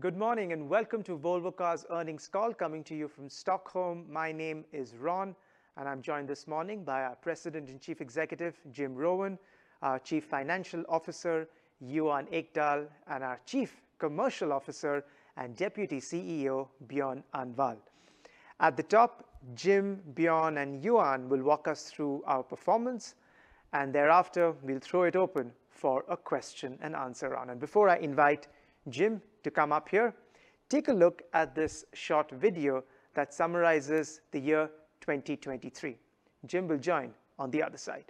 Good morning, and welcome to Volvo Cars' earnings call coming to you from Stockholm. My name is Ron, and I'm joined this morning by our President and Chief Executive, Jim Rowan; our Chief Financial Officer, Johan Ekdahl; and our Chief Commercial Officer and Deputy CEO, Björn Annwall. At the top, Jim, Björn, and Johan will walk us through our performance, and thereafter, we'll throw it open for a question and answer round. Before I invite Jim to come up here, take a look at this short video that summarizes the year 2023. Jim will join on the other side.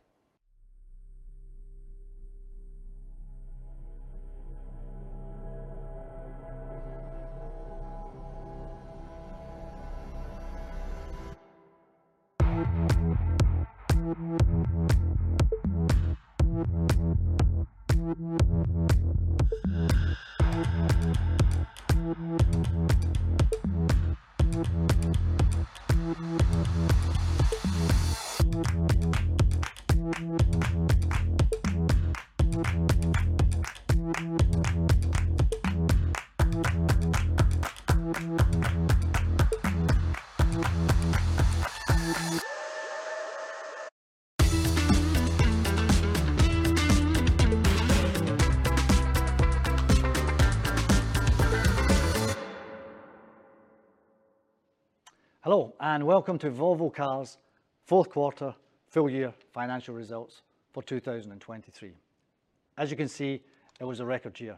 Hello, and welcome to Volvo Cars' Q4 full year financial results for 2023. As you can see, it was a record year.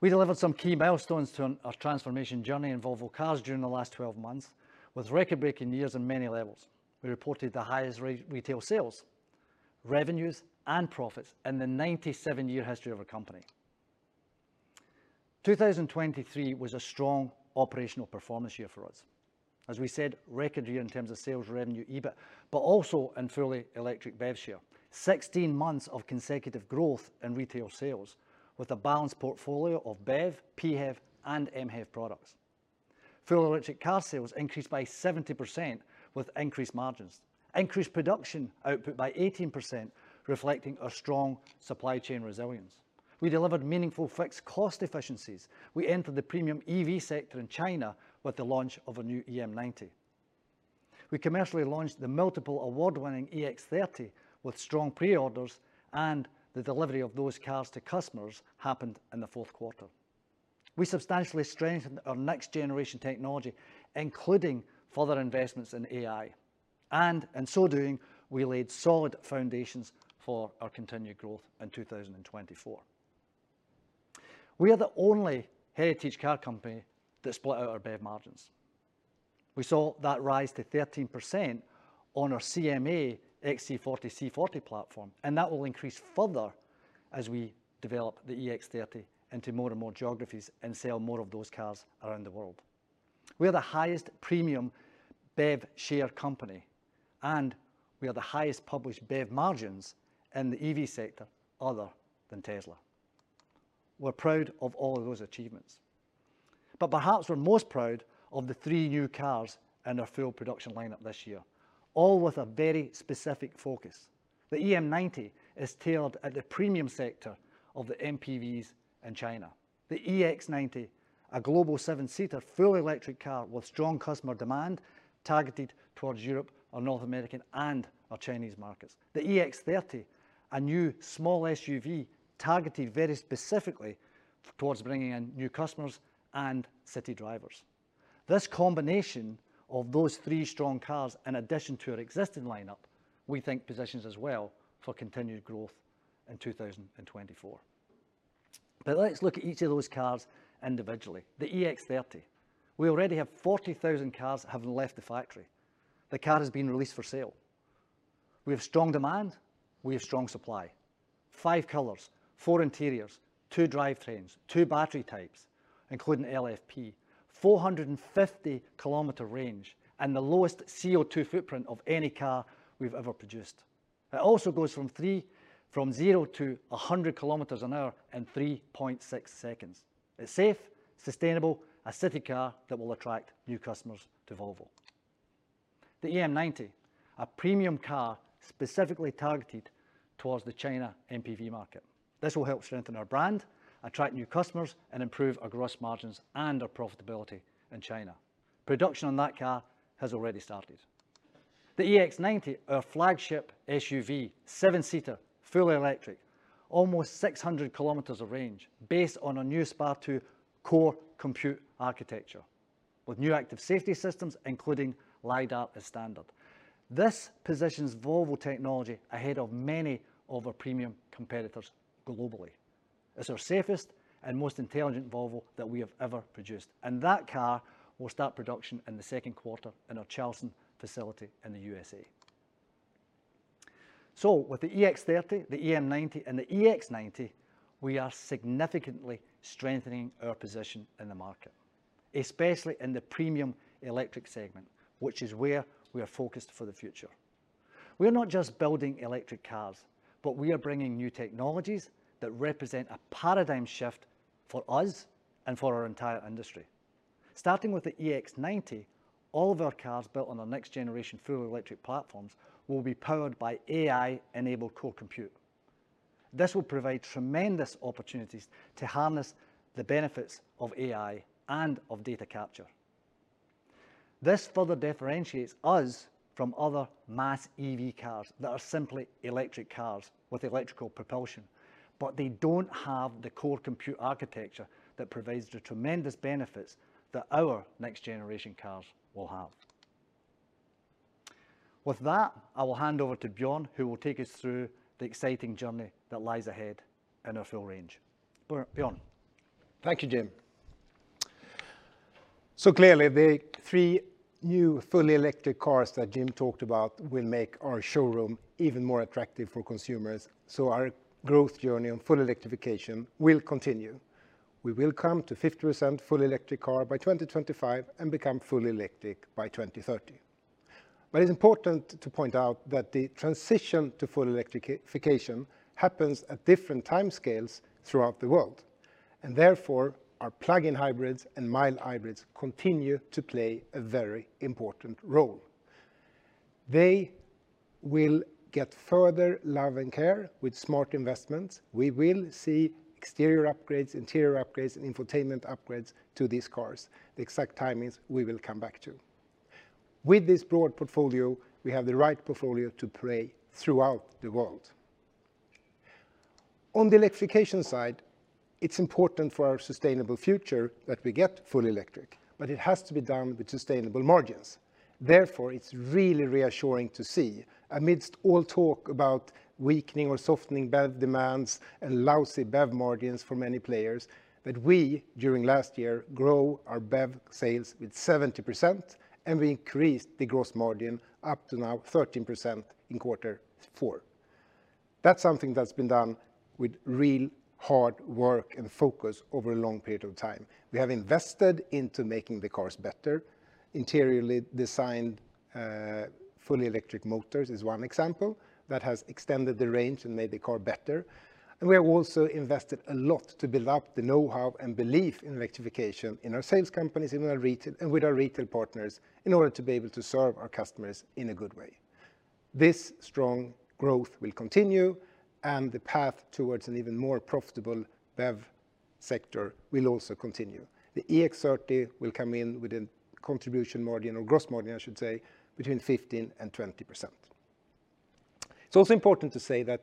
We delivered some key milestones to our transformation journey in Volvo Cars during the last 12 months, with record-breaking years on many levels. We reported the highest retail sales, revenues, and profits in the 97-year history of our company. 2023 was a strong operational performance year for us. As we said, record year in terms of sales revenue, EBIT, but also in fully electric BEV share. Sixteen months of consecutive growth in retail sales, with a balanced portfolio of BEV, PHEV, and MHEV products. Full electric car sales increased by 70%, with increased margins. Increased production output by 18%, reflecting our strong supply chain resilience. We delivered meaningful fixed cost efficiencies. We entered the premium EV sector in China with the launch of a new EM90. We commercially launched the multiple award-winning EX30 with strong pre-orders, and the delivery of those cars to customers happened in the Q4. We substantially strengthened our next-generation technology, including further investments in AI, and in so doing, we laid solid foundations for our continued growth in 2024. We are the only heritage car company that split out our BEV margins. We saw that rise to 13% on our CMA XC40, C40 platform, and that will increase further as we develop the EX30 into more and more geographies and sell more of those cars around the world. We are the highest premium BEV share company, and we are the highest published BEV margins in the EV sector, other than Tesla. We're proud of all of those achievements, but perhaps we're most proud of the three new cars in our full production lineup this year, all with a very specific focus. The EM90 is tailored at the premium sector of the MPVs in China. The EX90, a global seven-seater, fully electric car with strong customer demand, targeted towards Europe, North America and our Chinese markets. The EX30, a new small SUV, targeted very specifically towards bringing in new customers and city drivers. This combination of those three strong cars, in addition to our existing lineup, we think positions us well for continued growth in 2024. But let's look at each of those cars individually. The EX30. We already have 40,000 cars that have left the factory. The car has been released for sale. We have strong demand. We have strong supply. 5 colors, 4 interiors, 2 drivetrains, 2 battery types, including LFP, 450 km range, and the lowest CO2 footprint of any car we've ever produced. It also goes from zero to 100 km/h in 3.6 seconds. A safe, sustainable city car that will attract new customers to Volvo. The EM90, a premium car specifically targeted towards the China MPV market. This will help strengthen our brand, attract new customers, and improve our gross margins and our profitability in China. Production on that car has already started. The EX90, our flagship SUV, seven-seater, fully electric, almost 600 km of range, based on a new SPA2 core compute architecture, with new active safety systems, including LiDAR as standard. This positions Volvo technology ahead of many of our premium competitors globally. It's our safest and most intelligent Volvo that we have ever produced, and that car will start production in the Q2 in our Charleston facility in the U.S.A. So with the EX30, the EM90, and the EX90, we are significantly strengthening our position in the market, especially in the premium electric segment, which is where we are focused for the future. We are not just building electric cars, but we are bringing new technologies that represent a paradigm shift for us and for our entire industry.... Starting with the EX90, all of our cars built on our next-generation fully electric platforms will be powered by AI-enabled Core Compute. This will provide tremendous opportunities to harness the benefits of AI and of data capture. This further differentiates us from other mass EV cars that are simply electric cars with electrical propulsion, but they don't have the core compute architecture that provides the tremendous benefits that our next-generation cars will have. With that, I will hand over to Björn, who will take us through the exciting journey that lies ahead in our full range Björn? Thank you, Jim. So clearly, the three new fully electric cars that Jim talked about will make our showroom even more attractive for consumers, so our growth journey on full electrification will continue. We will come to 50% fully electric car by 2025 and become fully electric by 2030. But it's important to point out that the transition to full electrification happens at different time scales throughout the world, and therefore, our plug-in hybrids and mild hybrids continue to play a very important role. They will get further love and care with smart investments. We will see exterior upgrades, interior upgrades, and infotainment upgrades to these cars. The exact timings we will come back to. With this broad portfolio, we have the right portfolio to play throughout the world. On the electrification side, it's important for our sustainable future that we get fully electric, but it has to be done with sustainable margins. Therefore, it's really reassuring to see, amidst all talk about weakening or softening BEV demands and lousy BEV margins for many players, that we, during last year, grow our BEV sales with 70%, and we increased the gross margin up to now 13% in Q4. That's something that's been done with real hard work and focus over a long period of time. We have invested into making the cars better. Interiorly designed, fully electric motors is one example that has extended the range and made the car better. We have also invested a lot to build up the know-how and belief in electrification in our sales companies, in our retail, and with our retail partners, in order to be able to serve our customers in a good way. This strong growth will continue, and the path towards an even more profitable BEV sector will also continue. The EX30 will come in with a contribution margin, or gross margin, I should say, between 15% and 20%. It's also important to say that,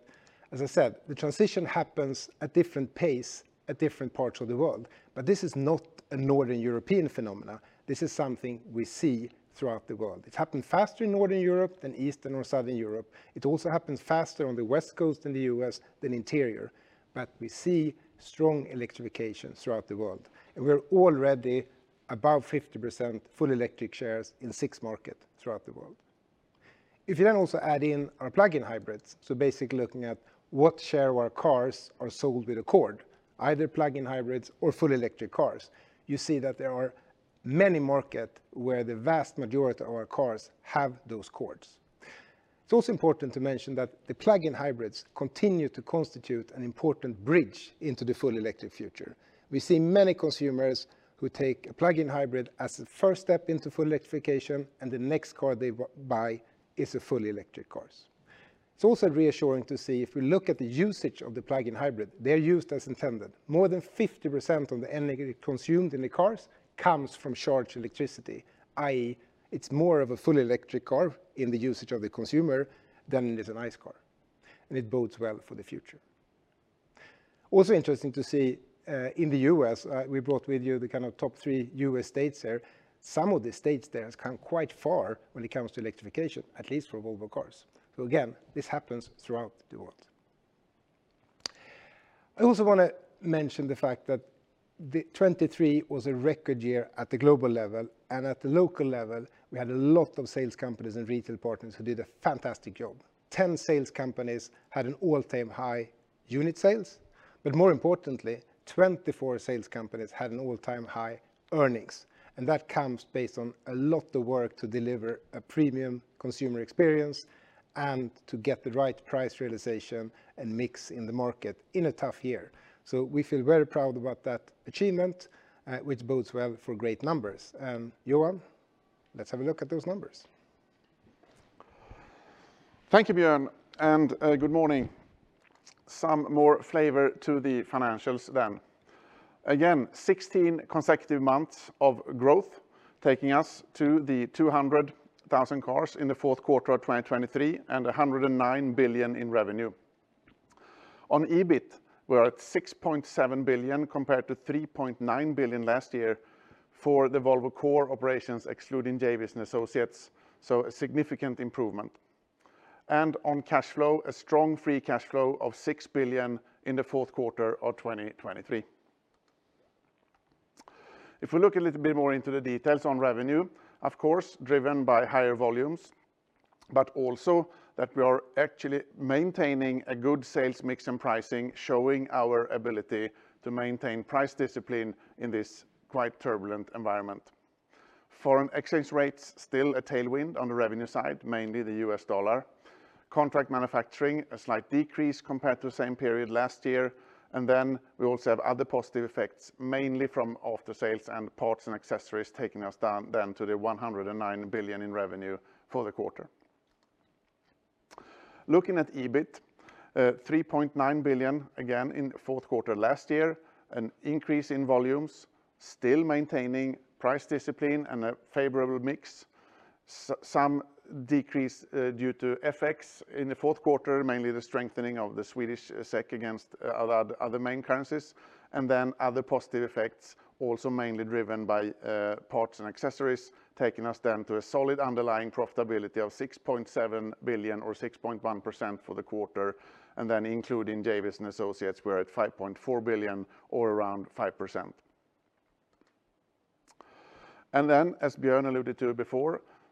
as I said, the transition happens at different pace at different parts of the world, but this is not a Northern European phenomena. This is something we see throughout the world. It's happened faster in Northern Europe than Eastern or Southern Europe. It also happens faster on the West Coast in the U.S. than interior. But we see strong electrification throughout the world, and we're already above 50% full electric shares in six markets throughout the world. If you then also add in our plug-in hybrids, so basically looking at what share of our cars are sold with a cord, either plug-in hybrids or fully electric cars, you see that there are many markets where the vast majority of our cars have those cords. It's also important to mention that the plug-in hybrids continue to constitute an important bridge into the full electric future. We see many consumers who take a plug-in hybrid as a first step into full electrification, and the next car they buy is a fully electric car. It's also reassuring to see if we look at the usage of the plug-in hybrid, they're used as intended. More than 50% of the energy consumed in the cars comes from charged electricity, i.e., it's more of a fully electric car in the usage of the consumer than it is an ICE car, and it bodes well for the future. Also interesting to see, in the U.S., we brought with you the kind of top three U.S. states there. Some of the states there has come quite far when it comes to electrification, at least for Volvo Cars. So again, this happens throughout the world. I also wanna mention the fact that the 2023 was a record year at the global level, and at the local level, we had a lot of sales companies and retail partners who did a fantastic job. 10 sales companies had an all-time high unit sales, but more importantly, 24 sales companies had an all-time high earnings, and that comes based on a lot of work to deliver a premium consumer experience and to get the right price realization and mix in the market in a tough year. So we feel very proud about that achievement, which bodes well for great numbers. Johan, let's have a look at those numbers. Thank you, Björn, and good morning. Some more flavor to the financials then. Again, 16 consecutive months of growth, taking us to the 200,000 cars in the Q4 of 2023 and 109 billion in revenue. On EBIT, we're at 6.7 billion compared to 3.9 billion last year for the Volvo core operations, excluding JVs and associates, so a significant improvement. And on cash flow, a strong free cash flow of 6 billion in the Q4 of 2023. If we look a little bit more into the details on revenue, of course, driven by higher volumes, but also that we are actually maintaining a good sales mix and pricing, showing our ability to maintain price discipline in this quite turbulent environment. Foreign exchange rates, still a tailwind on the revenue side, mainly the U.S. dollar. Contract manufacturing, a slight decrease compared to the same period last year. And then we also have other positive effects, mainly from after sales and parts and accessories, taking us down then to 109 billion in revenue for the quarter. Looking at EBIT, three point nine billion, again, in the Q4 last year, an increase in volumes, still maintaining price discipline and a favorable mix. Some decrease due to FX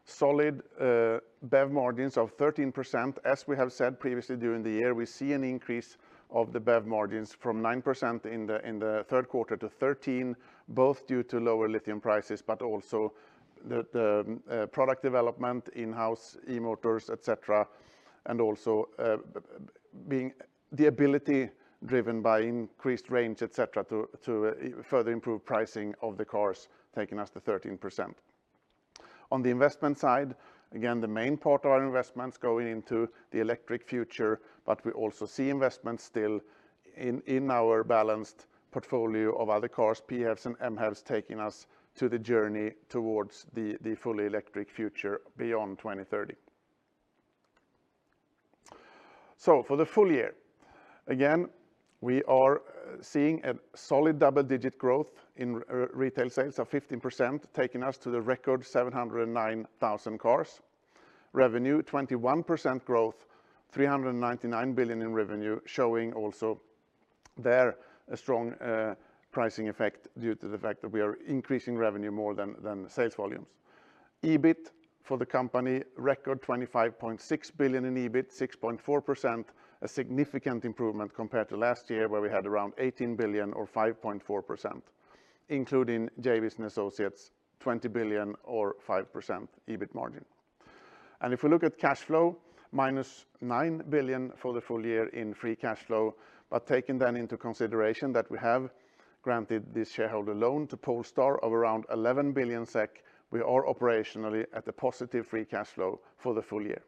in the Q4, mainly the strengthening of the Swedish SEK against other main currencies, and then other positive effects, also mainly driven by parts and accessories, taking us down to a solid underlying profitability of SEK 6.7 billion or 6.1% for the quarter. And then including JVs and associates, we're at SEK 5.4 billion or around 5%. And then, as Björn alluded to before, solid BEV margins of 13%. As we have said previously during the year, we see an increase of the BEV margins from 9% in the third quarter to 13%, both due to lower lithium prices, but also the product development, in-house e-motors, et cetera, and also being the ability driven by increased range, et cetera, to further improve pricing of the cars, taking us to 13%. On the investment side, again, the main part of our investments going into the electric future, but we also see investments still in our balanced portfolio of other cars, PHEVs and MHEVs, taking us to the journey towards the fully electric future beyond 2030. So for the full year, again, we are seeing a solid double-digit growth in retail sales of 15%, taking us to the record 709,000 cars. Revenue, 21% growth, 399 billion in revenue, showing also there a strong pricing effect due to the fact that we are increasing revenue more than sales volumes. EBIT for the company, record 25.6 billion in EBIT, 6.4%, a significant improvement compared to last year, where we had around 18 billion or 5.4%, including JVs and associates, 20 billion or 5% EBIT margin. If we look at cash flow, negative 9 billion for the full year in free cash flow, but taking then into consideration that we have granted this shareholder loan to Polestar of around 11 billion SEK, we are operationally at a positive free cash flow for the full year.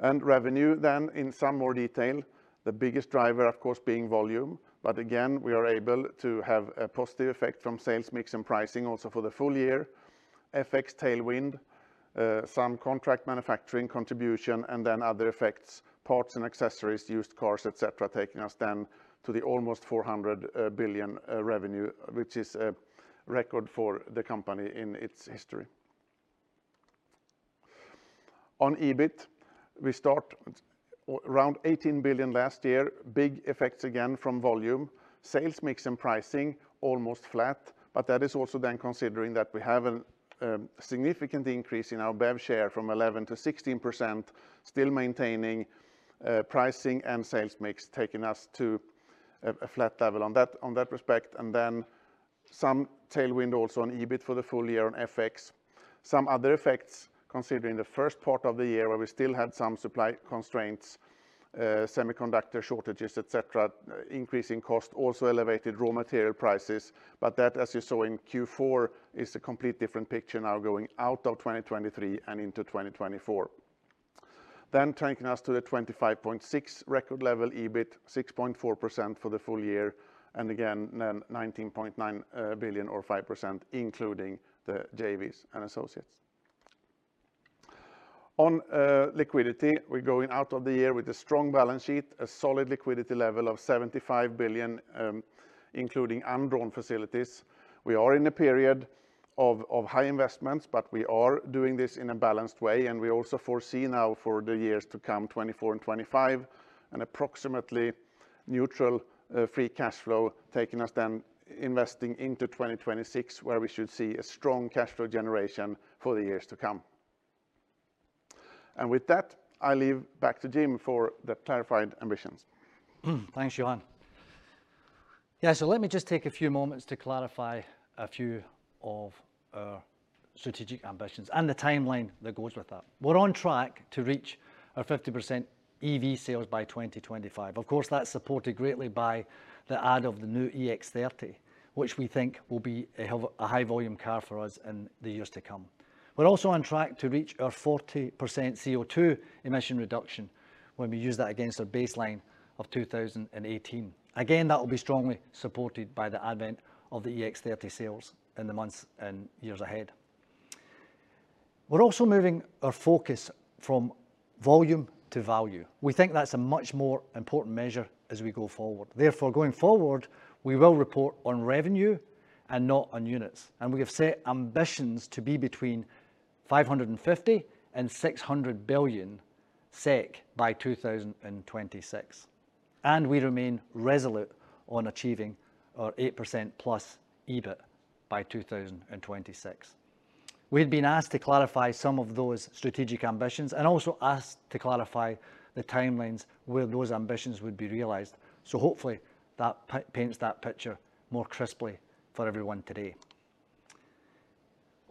Revenue then, in some more detail, the biggest driver, of course, being volume, but again, we are able to have a positive effect from sales mix and pricing also for the full year. FX tailwind, some contract manufacturing contribution, and then other effects, parts and accessories, used cars, et cetera, taking us then to the almost 400 billion revenue, which is a record for the company in its history. On EBIT, we start around 18 billion last year. Big effects, again, from volume. Sales mix and pricing, almost flat, but that is also then considering that we have a significant increase in our BEV share from 11% to 16%, still maintaining pricing and sales mix, taking us to a flat level on that, on that respect, and then some tailwind also on EBIT for the full year on FX. Some other effects, considering the first part of the year, where we still had some supply constraints, semiconductor shortages, et cetera, increasing cost, also elevated raw material prices, but that, as you saw in Q4, is a complete different picture now going out of 2023 and into 2024. Then taking us to the 25.6 billion record level EBIT, 6.4% for the full year, and again, then 19.9 billion or 5%, including the JVs and associates. On liquidity, we're going out of the year with a strong balance sheet, a solid liquidity level of 75 billion, including undrawn facilities. We are in a period of high investments, but we are doing this in a balanced way, and we also foresee now for the years to come, 2024 and 2025, an approximately neutral free cash flow, taking us then investing into 2026, where we should see a strong cash flow generation for the years to come. And with that, I leave back to Jim for the clarified ambitions. Thanks, Johan. Yeah, so let me just take a few moments to clarify a few of our strategic ambitions and the timeline that goes with that. We're on track to reach our 50% EV sales by 2025. Of course, that's supported greatly by the advent of the new EX30, which we think will be a high-volume car for us in the years to come. We're also on track to reach our 40% CO2 emissions reduction when we use that against our baseline of 2018. Again, that will be strongly supported by the advent of the EX30 sales in the months and years ahead. We're also moving our focus from volume to value. We think that's a much more important measure as we go forward. Therefore, going forward, we will report on revenue and not on units, and we have set ambitions to be between 550 billion and 600 billion SEK by 2026, and we remain resolute on achieving our 8%+ EBIT by 2026. We had been asked to clarify some of those strategic ambitions, and also asked to clarify the timelines where those ambitions would be realized. So hopefully that paints that picture more crisply for everyone today.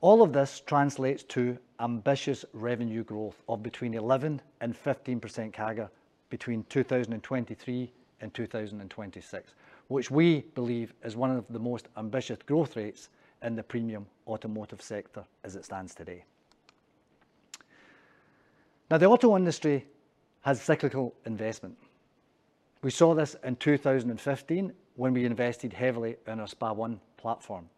All of this translates to ambitious revenue growth of between 11% and 15% CAGR between 2023 and 2026, which we believe is one of the most ambitious growth rates in the premium automotive sector as it stands today. Now, the auto industry has cyclical investment. We saw this in 2015 when we invested heavily in our SPA1 platform.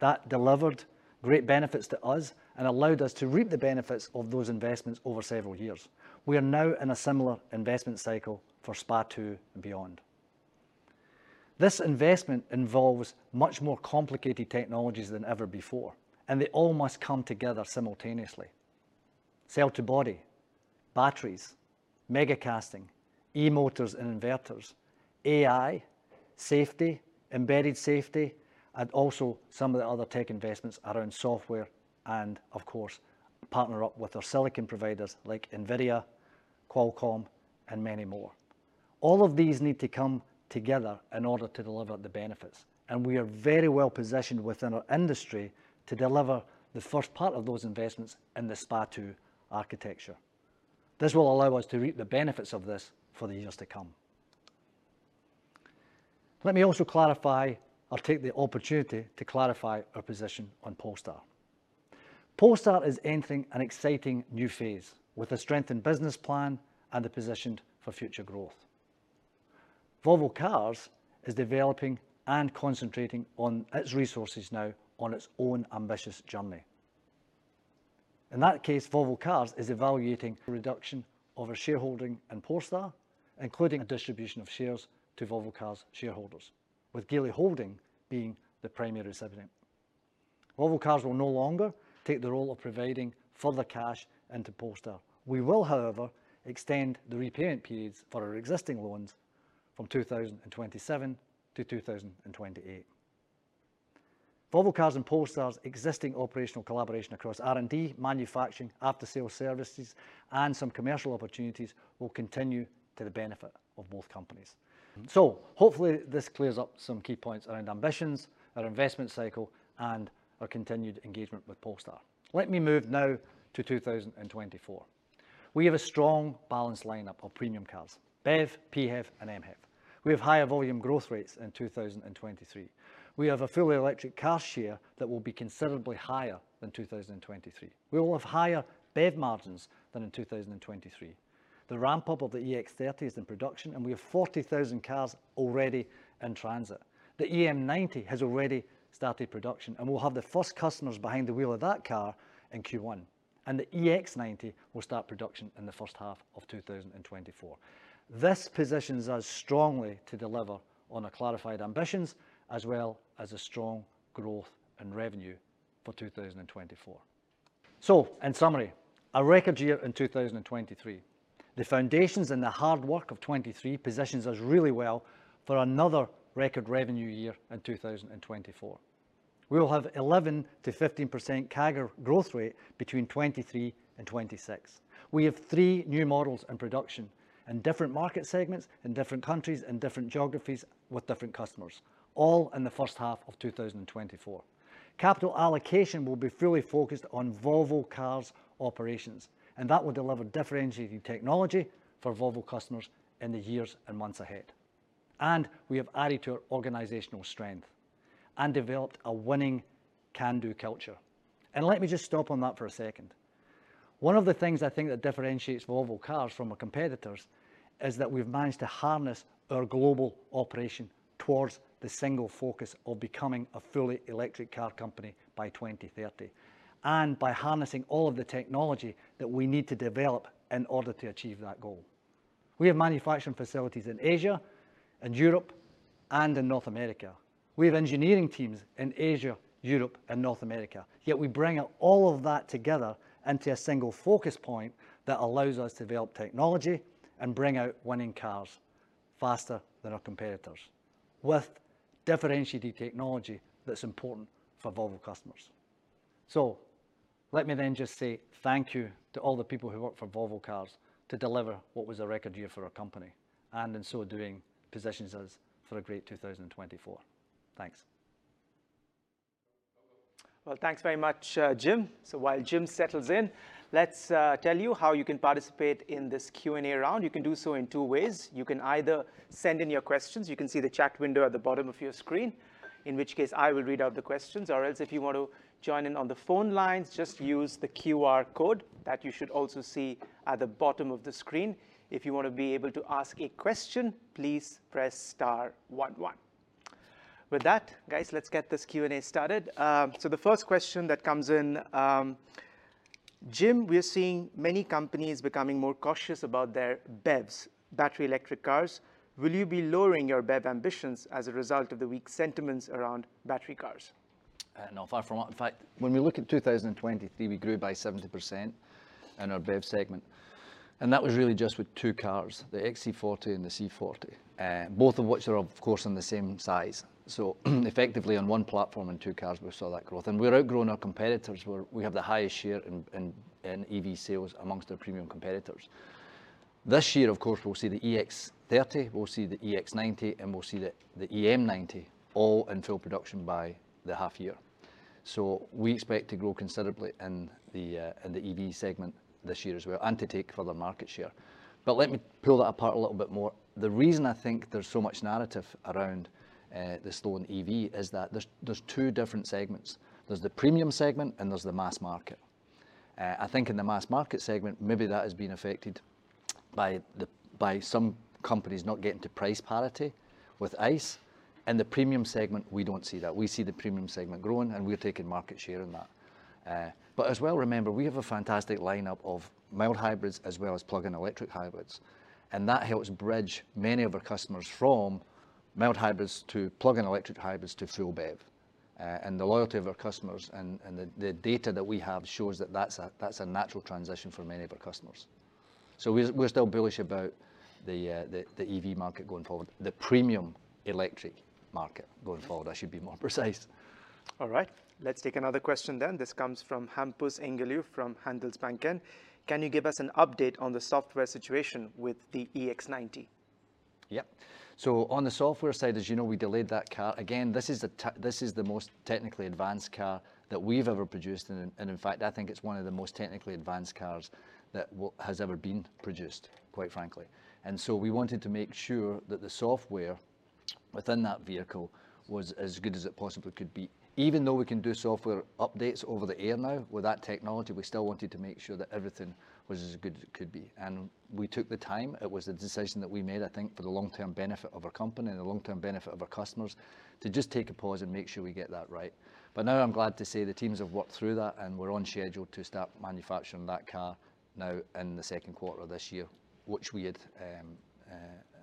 That delivered great benefits to us and allowed us to reap the benefits of those investments over several years. We are now in a similar investment cycle for SPA2 and beyond. This investment involves much more complicated technologies than ever before, and they all must come together simultaneously. Cell-to-body, batteries, mega-casting, e-motors and inverters, AI, safety, embedded safety, and also some of the other tech investments around software and of course, partner up with our silicon providers like NVIDIA, Qualcomm, and many more. All of these need to come together in order to deliver the benefits, and we are very well positioned within our industry to deliver the first part of those investments in the SPA2 architecture. This will allow us to reap the benefits of this for the years to come. Let me also clarify, or take the opportunity to clarify our position on Polestar. Polestar is entering an exciting new phase with a strengthened business plan and are positioned for future growth. Volvo Cars is developing and concentrating on its resources now on its own ambitious journey. In that case, Volvo Cars is evaluating a reduction of our shareholding in Polestar, including a distribution of shares to Volvo Cars shareholders, with Geely Holding being the primary recipient. Volvo Cars will no longer take the role of providing further cash into Polestar. We will, however, extend the repayment periods for our existing loans from 2027 to 2028. Volvo Cars and Polestar's existing operational collaboration across R&D, manufacturing, after-sales services, and some commercial opportunities will continue to the benefit of both companies. So hopefully this clears up some key points around ambitions, our investment cycle, and our continued engagement with Polestar. Let me move now to 2024. We have a strong, balanced lineup of premium cars, BEV, PHEV, and MHEV. We have higher volume growth rates in 2023. We have a fully electric car share that will be considerably higher than 2023. We will have higher BEV margins than in 2023. The ramp-up of the EX30 is in production, and we have 40,000 cars already in transit. The EM90 has already started production, and we'll have the first customers behind the wheel of that car in Q1, and the EX90 will start production in the H1 of 2024. This positions us strongly to deliver on our clarified ambitions, as well as a strong growth in revenue for 2024. So in summary, a record year in 2023. The foundations and the hard work of 2023 positions us really well for another record revenue year in 2024. We will have 11% to 15% CAGR growth rate between 2023 and 2026. We have three new models in production in different market segments, in different countries, and different geographies with different customers, all in the H1 of 2024. Capital allocation will be fully focused on Volvo Cars operations, and that will deliver differentiating technology for Volvo customers in the years and months ahead. And we have added to our organizational strength and developed a winning can-do culture. And let me just stop on that for a second. One of the things I think that differentiates Volvo Cars from our competitors is that we've managed to harness our global operation towards the single focus of becoming a fully electric car company by 2030, and by harnessing all of the technology that we need to develop in order to achieve that goal. We have manufacturing facilities in Asia and Europe and in North America. We have engineering teams in Asia, Europe, and North America, yet we bring all of that together into a single focus point that allows us to develop technology and bring out winning cars faster than our competitors, with differentiated technology that's important for Volvo customers. Let me then just say thank you to all the people who work for Volvo Cars to deliver what was a record year for our company, and in so doing, positions us for a great 2024. Thanks. Well, thanks very much, Jim. So while Jim settles in, let's tell you how you can participate in this Q&A round. You can do so in two ways. You can either send in your questions, you can see the chat window at the bottom of your screen, in which case I will read out the questions. Or else, if you want to join in on the phone lines, just use the QR code that you should also see at the bottom of the screen. If you want to be able to ask a question, please press star one one. With that, guys, let's get this Q&A started. So the first question that comes in: Jim, we are seeing many companies becoming more cautious about their BEVs, battery electric cars. Will you be lowering your BEV ambitions as a result of the weak sentiments around battery cars? No, far from it. In fact, when we look at 2023, we grew by 70% in our BEV segment.... and that was really just with two cars, the XC40 and the C40, both of which are, of course, in the same size. So effectively on one platform and two cars, we saw that growth. And we're outgrowing our competitors. We have the highest share in EV sales amongst our premium competitors. This year, of course, we'll see the EX30, we'll see the EX90, and we'll see the EM90 all in full production by the half year. So we expect to grow considerably in the EV segment this year as well, and to take further market share. But let me pull that apart a little bit more. The reason I think there's so much narrative around the slowing EV is that there's two different segments: There's the premium segment, and there's the mass market. I think in the mass market segment, maybe that has been affected by the, by some companies not getting to price parity with ICE. In the premium segment, we don't see that. We see the premium segment growing, and we're taking market share in that. But as well, remember, we have a fantastic lineup of mild hybrids, as well as plug-in electric hybrids, and that helps bridge many of our customers from mild hybrids to plug-in electric hybrids to full BEV. And the loyalty of our customers and, and the, the data that we have shows that that's a, that's a natural transition for many of our customers. So we, we're still bullish about the, the EV market going forward, the premium electric market going forward, I should be more precise. All right, let's take another question then. This comes from Hampus Engellau from Handelsbanken: Can you give us an update on the software situation with the EX90? Yeah. So on the software side, as you know, we delayed that car. Again, this is the most technically advanced car that we've ever produced, and, and in fact, I think it's one of the most technically advanced cars that has ever been produced, quite frankly. And so we wanted to make sure that the software within that vehicle was as good as it possibly could be. Even though we can do software updates over the air now with that technology, we still wanted to make sure that everything was as good as it could be. And we took the time. It was a decision that we made, I think, for the long-term benefit of our company and the long-term benefit of our customers, to just take a pause and make sure we get that right. But now I'm glad to say the teams have worked through that, and we're on schedule to start manufacturing that car now in the Q2 of this year, which we had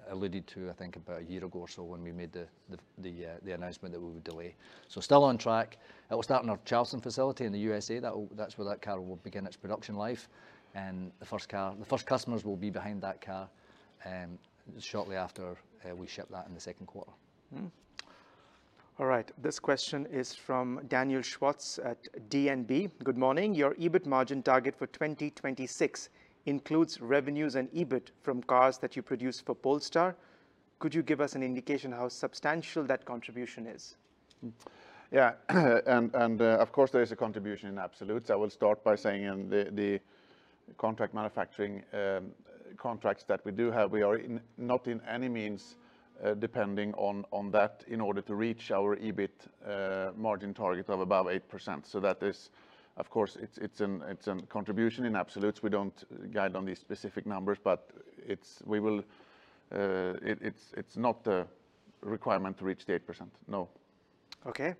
alluded to, I think, about a year ago or so when we made the announcement that we would delay. So still on track. It will start in our Charleston facility in the U.S.A. That's where that car will begin its production life. And the first customers will be behind that car shortly after we ship that in the Q2. Mm-hmm. All right, this question is from Daniel Schwarz at DNB. Good morning. Your EBIT margin target for 2026 includes revenues and EBIT from cars that you produce for Polestar. Could you give us an indication how substantial that contribution is? Yeah, and, of course, there is a contribution in absolutes. I will start by saying in the contract manufacturing contracts that we do have, we are not in any means depending on that in order to reach our EBIT margin target of above 8%. So that is, of course, it's an contribution in absolutes. We don't guide on these specific numbers, but it's... it's not a requirement to reach the 8%, no. Okay.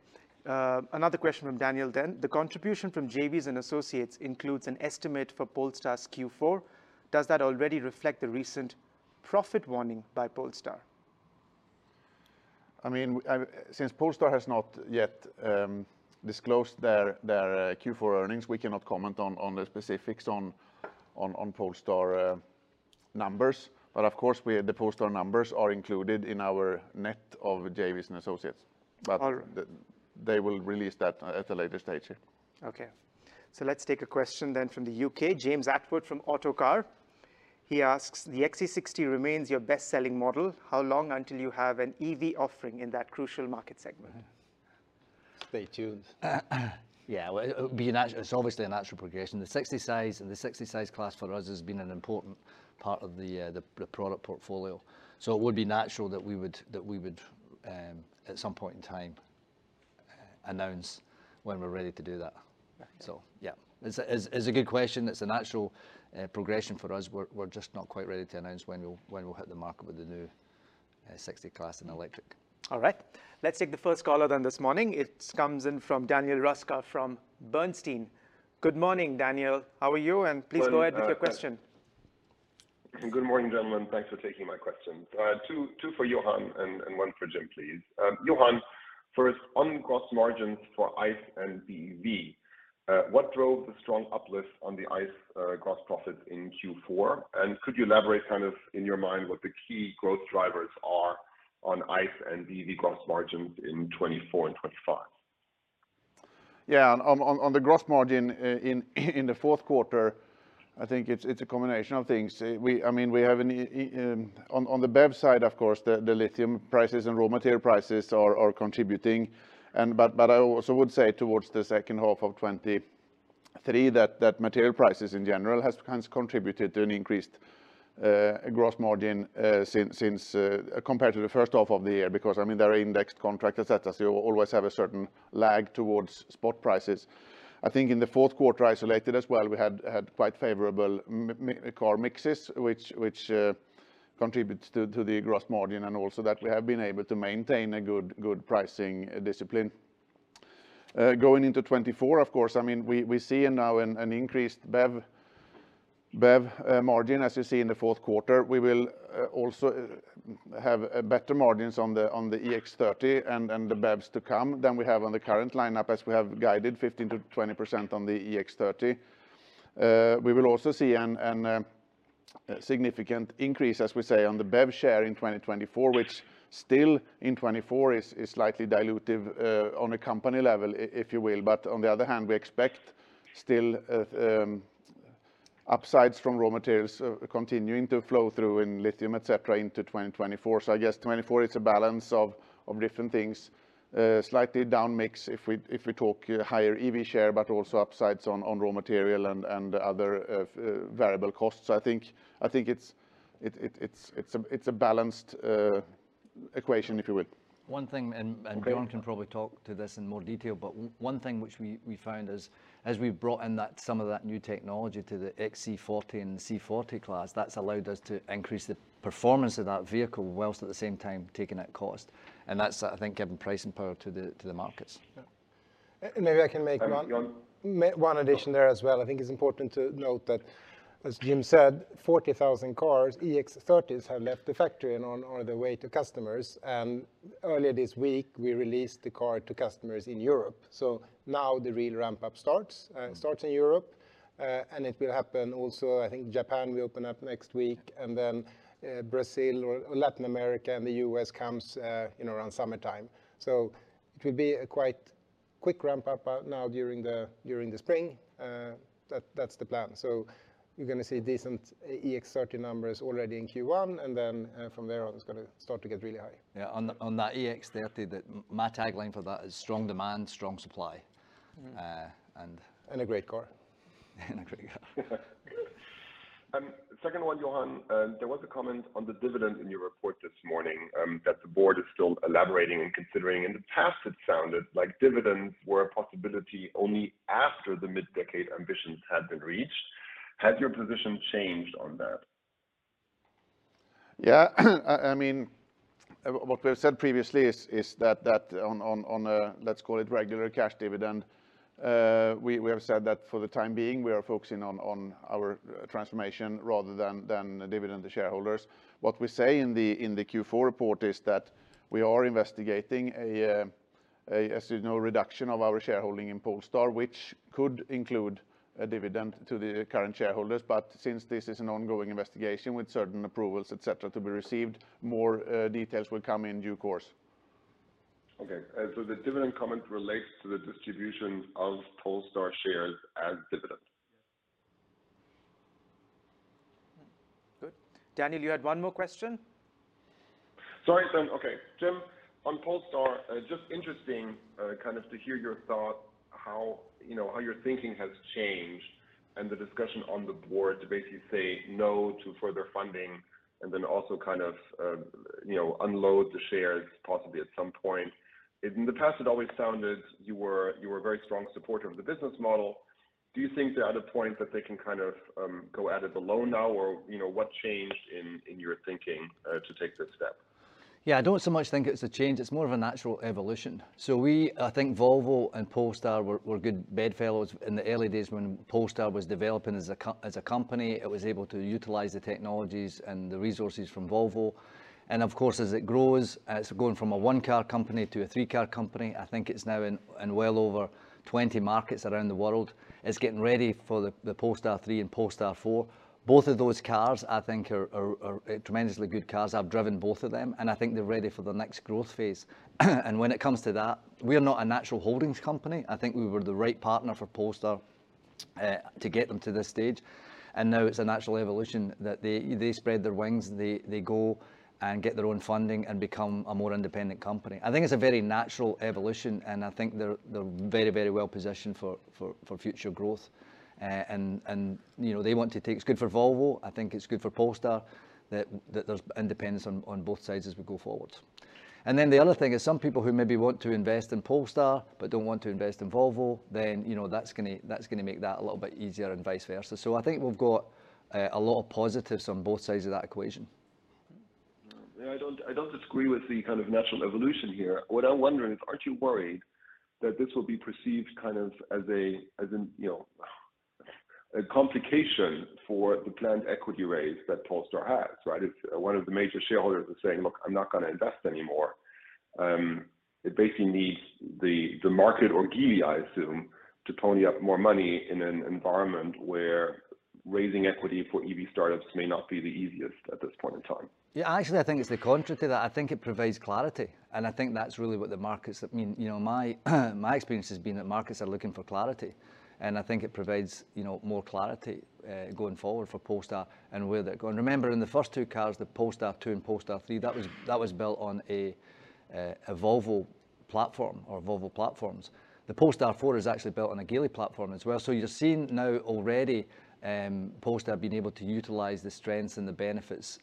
Another question from Daniel then: "The contribution from JVs and associates includes an estimate for Polestar's Q4. Does that already reflect the recent profit warning by Polestar? I mean, since Polestar has not yet disclosed their Q4 earnings, we cannot comment on the specifics on Polestar numbers. But of course, the Polestar numbers are included in our net of JVs and associates. Are- But they will release that at a later stage here. Okay. So let's take a question then from the U.K., James Attwood from Autocar. He asks, "The XC60 remains your best-selling model. How long until you have an EV offering in that crucial market segment? Stay tuned. Yeah, well, it would be—it's obviously a natural progression. The 60 size, the 60 size class for us has been an important part of the product portfolio, so it would be natural that we would at some point in time announce when we're ready to do that. Right. So yeah, it's a good question. It's a natural progression for us. We're just not quite ready to announce when we'll hit the market with the new 60 class in electric. All right. Let's take the first caller then this morning. It comes in from Daniel Roeska from Bernstein. Good morning, Daniel. How are you? And please go ahead with your question. Good morning, gentlemen. Thanks for taking my question. Two, two for Johan and, and one for Jim, please. Johan, first, on gross margins for ICE and BEV, what drove the strong uplift on the ICE, gross profit in Q4? And could you elaborate, kind of, in your mind, what the key growth drivers are on ICE and BEV gross margins in 2024 and 2025? Yeah, on the gross margin in the Q4, I think it's a combination of things. We, I mean, we have, on the BEV side, of course, the lithium prices and raw material prices are contributing, but I also would say towards the H2 of 2023, that material prices in general has contributed to an increased gross margin since compared to the H1 of the year, because, I mean, there are indexed contracts, etcetera. So you always have a certain lag towards spot prices. I think in the Q4, isolated as well, we had quite favorable car mixes, which contributes to the gross margin, and also that we have been able to maintain a good pricing discipline. Going into 2024, of course, I mean, we see now an increased BEV margin, as you see in the Q4. We will also have better margins on the EX30 and the BEVs to come than we have on the current lineup, as we have guided 15% to 20% on the EX30. We will also see significant increase, as we say, on the BEV share in 2024, which still in 2024 is slightly dilutive on a company level, if you will. But on the other hand, we expect still upsides from raw materials continuing to flow through in lithium, et cetera, into 2024. So I guess 2024 is a balance of different things. Slightly down mix if we talk higher EV share, but also upsides on raw material and other variable costs. I think it's a balanced equation, if you will. One thing, Okay... Björn can probably talk to this in more detail, but one thing which we found is, as we've brought in some of that new technology to the XC40 and the C40 class, that's allowed us to increase the performance of that vehicle, while at the same time taking out cost. And that's, I think, given pricing power to the markets. Yeah. Maybe I can make one- And Björn... one addition there as well. I think it's important to note that, as Jim said, 40,000 cars, EX30s, have left the factory and on their way to customers. And earlier this week, we released the car to customers in Europe. So now the real ramp-up starts. It starts in Europe, and it will happen also. I think Japan will open up next week, and then, Brazil or Latin America, and the U.S. comes in around summertime. So it will be a quite quick ramp-up, now during the spring. That, that's the plan. So you're going to see decent EX30 numbers already in Q1, and then, from there on, it's going to start to get really high. Yeah, on that EX30, my tagline for that is strong demand, strong supply. Mm-hmm. Uh, and- A great car. A great car. Second one, Johan. There was a comment on the dividend in your report this morning, that the board is still elaborating and considering. In the past, it sounded like dividends were a possibility only after the mid-decade ambitions had been reached. Has your position changed on that? Yeah. I mean, what we have said previously is that on a, let's call it regular cash dividend, we have said that for the time being, we are focusing on our transformation rather than a dividend to shareholders. What we say in the Q4 report is that we are investigating a, as you know, reduction of our shareholding in Polestar, which could include a dividend to the current shareholders. But since this is an ongoing investigation with certain approvals, et cetera, to be received, more details will come in due course. Okay. So the dividend comment relates to the distribution of Polestar shares as dividends? Good. Daniel, you had one more question? Sorry, then. Okay, Jim, on Polestar, just interesting, kind of to hear your thoughts, how, you know, how your thinking has changed and the discussion on the board to basically say no to further funding, and then also kind of, you know, unload the shares possibly at some point. In the past, it always sounded you were, you were a very strong supporter of the business model. Do you think they're at a point that they can kind of, go at it alone now? Or, you know, what changed in, in your thinking, to take this step? Yeah, I don't so much think it's a change. It's more of a natural evolution. So, I think Volvo and Polestar were good bedfellows in the early days when Polestar was developing as a company. It was able to utilize the technologies and the resources from Volvo. And of course, as it grows, it's going from a one-car company to a three-car company. I think it's now in well over 20 markets around the world. It's getting ready for the Polestar 3 and Polestar 4. Both of those cars, I think, are tremendously good cars. I've driven both of them, and I think they're ready for the next growth phase. And when it comes to that, we are not a natural holdings company. I think we were the right partner for Polestar to get them to this stage, and now it's a natural evolution that they spread their wings, they go and get their own funding and become a more independent company. I think it's a very natural evolution, and I think they're very well positioned for future growth. And, you know, they want to take... It's good for Volvo. I think it's good for Polestar, that there's independence on both sides as we go forward. And then the other thing is, some people who maybe want to invest in Polestar but don't want to invest in Volvo, then, you know, that's gonna make that a little bit easier and vice versa. So I think we've got a lot of positives on both sides of that equation. Yeah, I don't disagree with the kind of natural evolution here. What I'm wondering is, aren't you worried that this will be perceived kind of as an, you know, a complication for the planned equity raise that Polestar has, right? If one of the major shareholders is saying, "Look, I'm not going to invest anymore," it basically needs the market or Geely, I assume, to pony up more money in an environment where raising equity for EV startups may not be the easiest at this point in time. Yeah, actually, I think it's the contrary to that. I think it provides clarity, and I think that's really what the markets- I mean, you know, my, my experience has been that markets are looking for clarity, and I think it provides, you know, more clarity, going forward for Polestar and where they're going. Remember, in the first two cars, the Polestar 2 and Polestar 3, that was, that was built on a, a Volvo platform or Volvo platforms. The Polestar 4 is actually built on a Geely platform as well. So you're seeing now already, Polestar have been able to utilize the strengths and the benefits,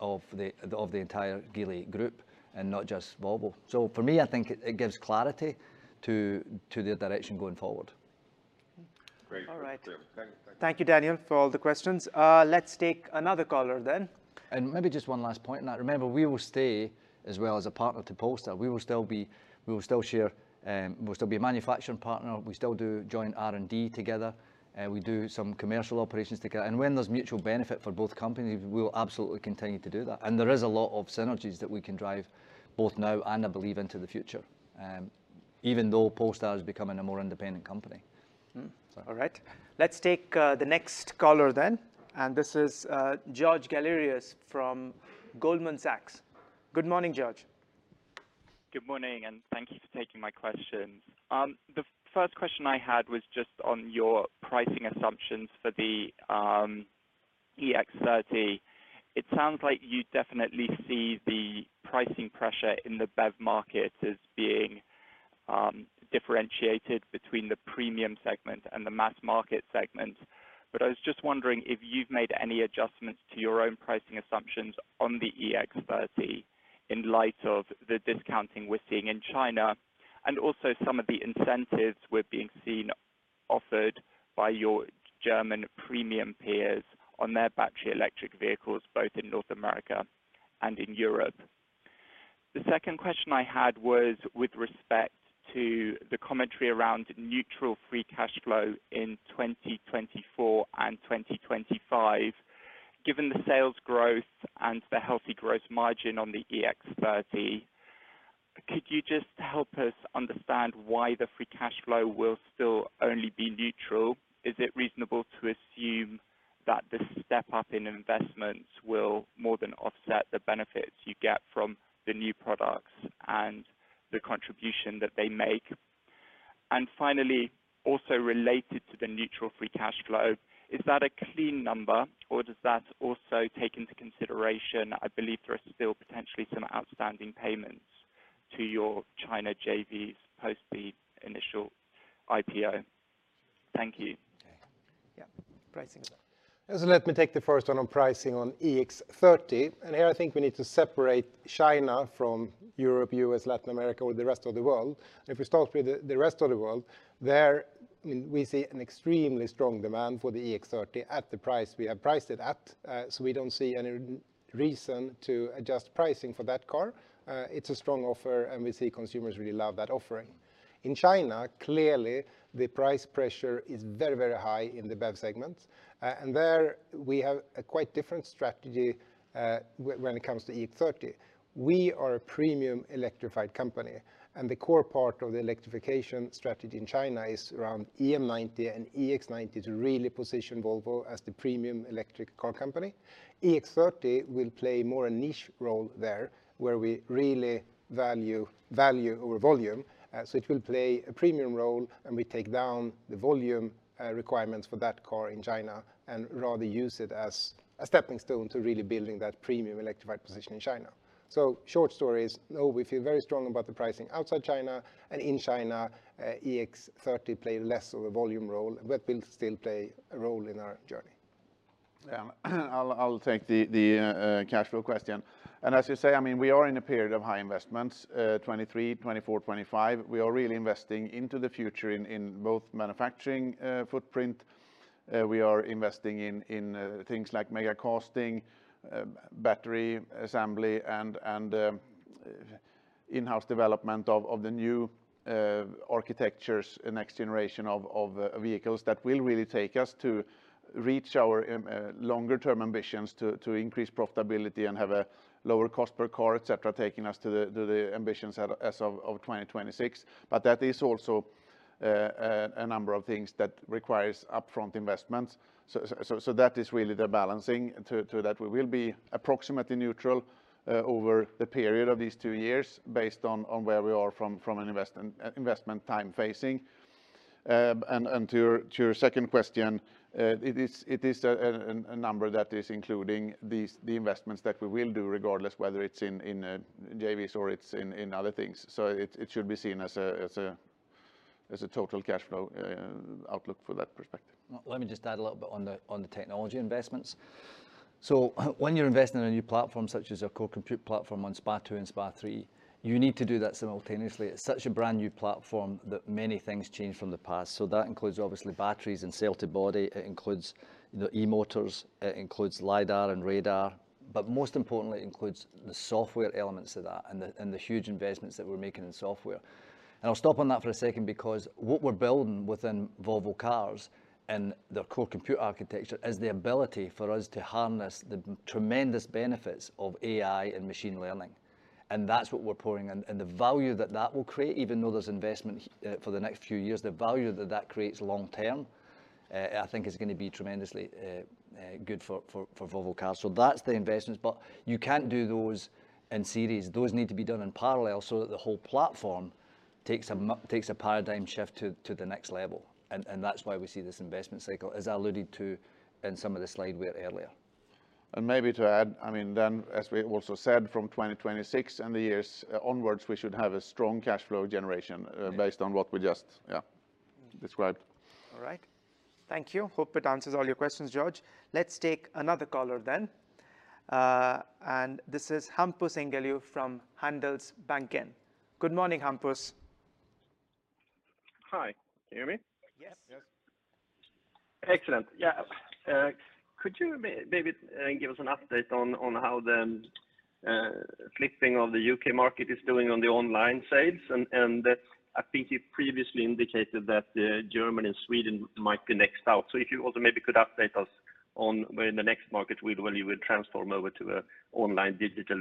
of the, of the entire Geely group and not just Volvo. So for me, I think it, it gives clarity to, to their direction going forward. Great. All right. Thank you. Thank you, Daniel, for all the questions. Let's take another caller then. Maybe just one last point, and I remember we will stay as well as a partner to Polestar. We will still share, we'll still be a manufacturing partner. We still do joint R&D together, we do some commercial operations together. And when there's mutual benefit for both companies, we will absolutely continue to do that. And there is a lot of synergies that we can drive, both now and I believe into the future, even though Polestar is becoming a more independent company. All right, let's take the next caller then. This is George Galliers from Goldman Sachs. Good morning, George. Good morning, and thank you for taking my questions. The first question I had was just on your pricing assumptions for the EX30. It sounds like you definitely see the pricing pressure in the BEV market as being differentiated between the premium segment and the mass market segment. But I was just wondering if you've made any adjustments to your own pricing assumptions on the EX30 in light of the discounting we're seeing in China, and also some of the incentives we're being offered by your German premium peers on their battery electric vehicles, both in North America and in Europe. The second question I had was with respect to the commentary around neutral free cash flow in 2024 and 2025. Given the sales growth and the healthy gross margin on the EX30, could you just help us understand why the free cash flow will still only be neutral? Is it reasonable to assume that the step up in investments will more than offset the benefits you get from the new products and the contribution that they make? And finally, also related to the neutral free cash flow, is that a clean number, or does that also take into consideration, I believe there are still potentially some outstanding payments to your China JVs post the initial IPO? Thank you. Okay. Yeah, pricing. So let me take the first one on pricing on EX30. And here, I think we need to separate China from Europe, U.S., Latin America, or the rest of the world. If we start with the rest of the world, we see an extremely strong demand for the EX30 at the price we have priced it at. So we don't see any reason to adjust pricing for that car. It's a strong offer, and we see consumers really love that offering. In China, clearly, the price pressure is very, very high in the BEV segment. And there we have a quite different strategy, when it comes to EX30. We are a premium electrified company, and the core part of the electrification strategy in China is around EM90 and EX90 to really position Volvo as the premium electric car company. EX30 will play more a niche role there, where we really value value over volume. So it will play a premium role, and we take down the volume requirements for that car in China, and rather use it as a stepping stone to really building that premium electrified position in China. So short story is, no, we feel very strong about the pricing outside China. And in China, EX30 play less of a volume role, but will still play a role in our journey. Yeah, I'll take the cash flow question. And as you say, I mean, we are in a period of high investments, 2023, 2024, 2025. We are really investing into the future in both manufacturing footprint. We are investing in things like mega-casting, battery assembly, and in-house development of the new architectures and next generation of vehicles that will really take us to reach our longer term ambitions to increase profitability and have a lower cost per car, et cetera, taking us to the ambitions as of 2026. But that is also a number of things that requires upfront investments. So that is really the balancing to that. We will be approximately neutral over the period of these two years, based on where we are from an investment time phasing. And to your second question, it is a number that is including the investments that we will do, regardless whether it's in JVs or it's in other things. So it should be seen as a total cash flow outlook for that perspective. Well, let me just add a little bit on the technology investments. So when you're investing in a new platform, such as a core compute platform on SPA2 and SPA3, you need to do that simultaneously. It's such a brand-new platform that many things change from the past. So that includes, obviously, batteries and cell-to-body. It includes the e-motors, it includes LiDAR and radar, but most importantly, it includes the software elements of that and the, and the huge investments that we're making in software. And I'll stop on that for a second, because what we're building within Volvo Cars and their core compute architecture, is the ability for us to harness the tremendous benefits of AI and machine learning, and that's what we're pouring in. The value that that will create, even though there's investment for the next few years, the value that that creates long term, I think is gonna be tremendously good for Volvo Cars. So that's the investments. But you can't do those in series. Those need to be done in parallel so that the whole platform takes a paradigm shift to the next level. And that's why we see this investment cycle, as I alluded to in some of the slide we had earlier. And maybe to add, I mean, then, as we also said, from 2026 and the years onwards, we should have a strong cash flow generation- Yeah... based on what we just, yeah, described. All right. Thank you. Hope it answers all your questions, George. Let's take another caller then. This is Hampus Engellau from Handelsbanken. Good morning, Hampus. Hi, can you hear me? Yes. Yes. Excellent. Yeah, could you maybe give us an update on how the flipping of the UK market is doing on the online sales? And that's... I think you previously indicated that Germany and Sweden might be next out. So if you also maybe could update us-... on when the next market will transform over to an online digital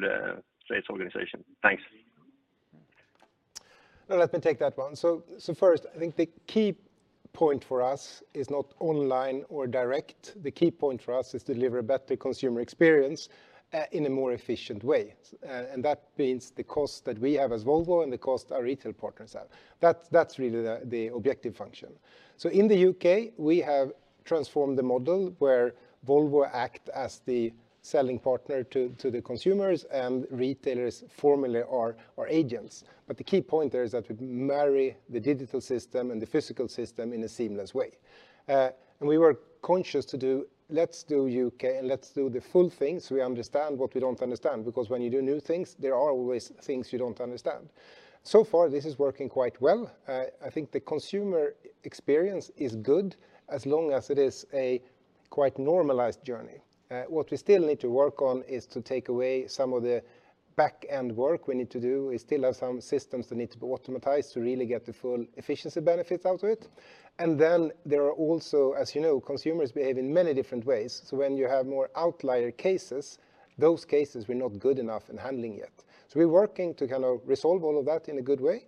sales organization? Thanks. Well, let me take that one. So first, I think the key point for us is not online or direct. The key point for us is deliver a better consumer experience in a more efficient way. And that means the cost that we have as Volvo and the cost our retail partners have. That's really the objective function. So in the UK, we have transformed the model where Volvo act as the selling partner to the consumers, and retailers formerly are our agents. But the key point there is that we marry the digital system and the physical system in a seamless way. And we were conscious to do, let's do UK, and let's do the full thing, so we understand what we don't understand. Because when you do new things, there are always things you don't understand. So far, this is working quite well. I think the consumer experience is good, as long as it is a quite normalized journey. What we still need to work on is to take away some of the back-end work we need to do. We still have some systems that need to be automated to really get the full efficiency benefits out of it. And then there are also, as you know, consumers behave in many different ways. So when you have more outlier cases, those cases we're not good enough in handling yet. So we're working to kind of resolve all of that in a good way.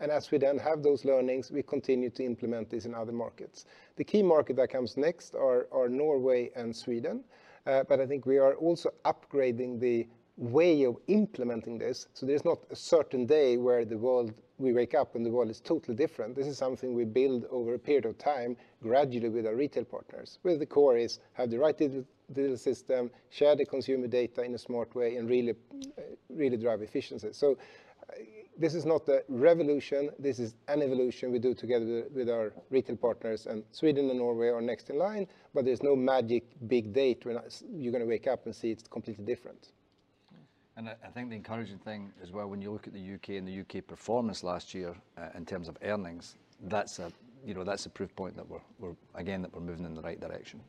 And as we then have those learnings, we continue to implement this in other markets. The key market that comes next are Norway and Sweden. But I think we are also upgrading the way of implementing this, so there's not a certain day where the world we wake up, and the world is totally different. This is something we build over a period of time, gradually with our retail partners, where the core is, have the right digital system, share the consumer data in a smart way, and really, really drive efficiency. So, this is not a revolution. This is an evolution we do together with our retail partners, and Sweden and Norway are next in line, but there's no magic big date when you're gonna wake up and see it's completely different. I, I think the encouraging thing as well, when you look at the UK and the UK performance last year, in terms of earnings, that's a, you know, that's a proof point that we're, we're again, that we're moving in the right direction.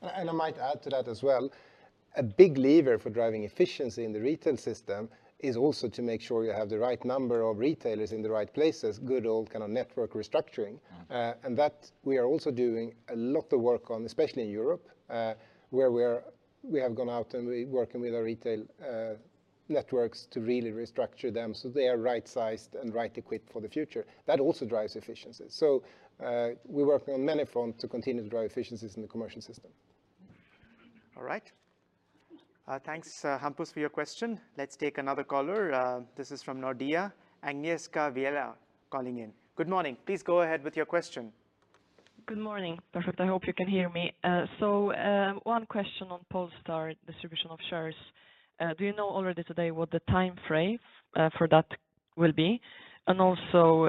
And I might add to that as well. A big lever for driving efficiency in the retail system is also to make sure you have the right number of retailers in the right places, good old kind of network restructuring. Mm. And that we are also doing a lot of work on, especially in Europe, where we are. We have gone out, and we're working with our retail networks to really restructure them, so they are right-sized and right-equipped for the future. That also drives efficiency. So, we're working on many fronts to continue to drive efficiencies in the commercial system. All right. Thanks, Hampus, for your question. Let's take another caller. This is from Nordea, Agnieszka Vilela calling in. Good morning. Please go ahead with your question. Good morning. Perfect, I hope you can hear me. So, one question on Polestar distribution of shares. Do you know already today what the time frame for that will be? And also,